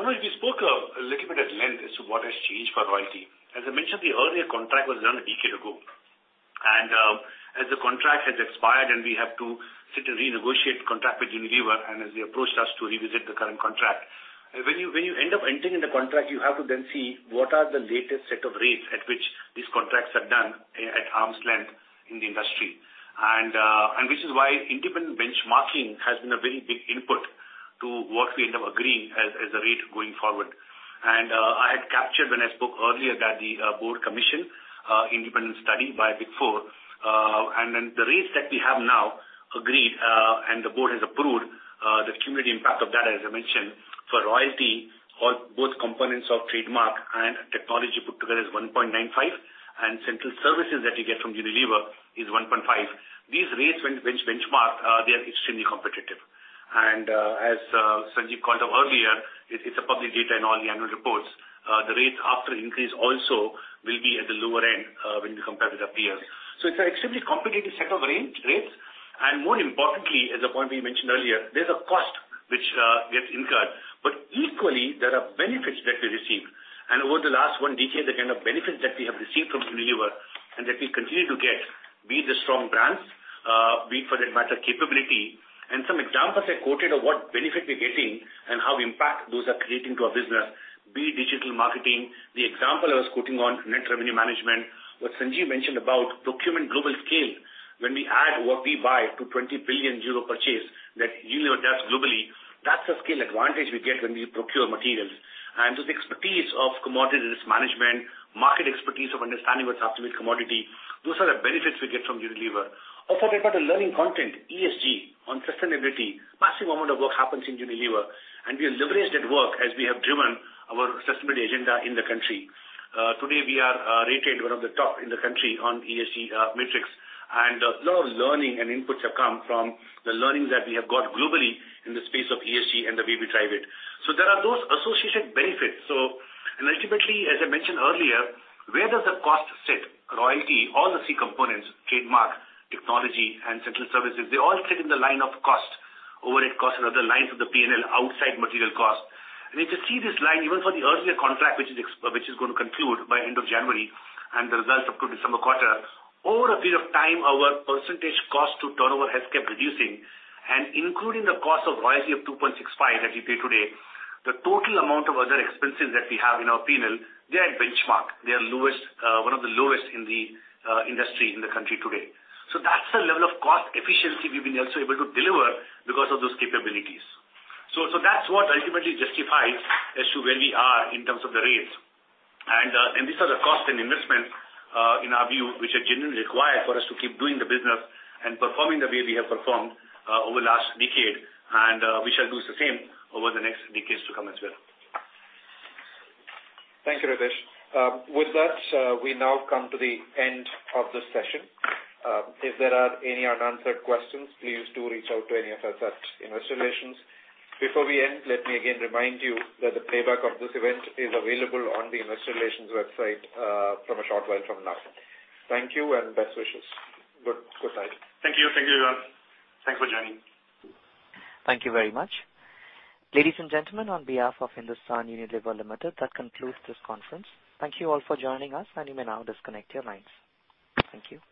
Manoj, we spoke a little bit at length as to what has changed for royalty. As I mentioned, the earlier contract was done a decade ago. As the contract has expired and we have to sit and renegotiate contract with Unilever, and as they approached us to revisit the current contract. When you end up entering the contract, you have to then see what are the latest set of rates at which these contracts are done at arm's length in the industry. Which is why independent benchmarking has been a very big input to what we end up agreeing as the rate going forward. I had captured when I spoke earlier that the board commission independent study by Big Four. Then the rates that we have now agreed, and the board has approved, the cumulative impact of that, as I mentioned, for royalty, for both components of trademark and technology put together is 1.95, and central services that you get from Unilever is 1.5. These rates when benchmarked, they are extremely competitive. As Sanjiv called out earlier, it's a public data in all the annual reports. The rates after increase also will be at the lower end, when you compare with our peers. It's an extremely competitive set of range, rates. More importantly, as the point we mentioned earlier, there's a cost which gets incurred, but equally, there are benefits that we receive. Over the last one decade, the kind of benefits that we have received from Unilever and that we continue to get, be it the strong brands, be it for that matter, capability. Some examples I quoted of what benefit we're getting and how impact those are creating to our business, be it digital marketing, the example I was quoting on Net Revenue Management. What Sanjiv mentioned about procurement global scale, when we add what we buy to 20 billion euro purchase that Unilever does globally, that's a scale advantage we get when we procure materials. The expertise of commodity risk management, market expertise of understanding what's happening with commodity, those are the benefits we get from Unilever. Also, we've got a learning content, ESG, on sustainability. Massive amount of work happens in Unilever. We have leveraged that work as we have driven our sustainability agenda in the country. Today we are rated one of the top in the country on ESG metrics. A lot of learning and inputs have come from the learnings that we have got globally in the space of ESG and the way we drive it. There are those associated benefits. Ultimately, as I mentioned earlier, where does the cost sit? Royalty, all the C components, trademark, technology, and central services, they all sit in the line of cost, overhead costs and other lines of the P&L outside material cost. If you see this line, even for the earlier contract, which is going to conclude by end of January, and the results of current December quarter, over a period of time, our % cost to turnover has kept reducing. Including the cost of royalty of 2.65 that we pay today, the total amount of other expenses that we have in our P&L, they are benchmark. They are lowest, one of the lowest in the industry in the country today. That's the level of cost efficiency we've been also able to deliver because of those capabilities. That's what ultimately justifies as to where we are in terms of the rates. These are the cost and investment in our view, which are genuinely required for us to keep doing the business and performing the way we have performed over the last decade, and we shall do the same over the next decades to come as well. Thank you, Ritesh. With that, we now come to the end of the session. If there are any unanswered questions, please do reach out to any of us at investor relations. Before we end, let me again remind you that the playback of this event is available on the investor relations website from a short while from now. Thank you and best wishes. Good night. Thank you. Thank you, everyone. Thanks for joining. Thank you very much. Ladies and gentlemen, on behalf of Hindustan Unilever Limited, that concludes this conference. Thank you all for joining us, and you may now disconnect your lines. Thank you.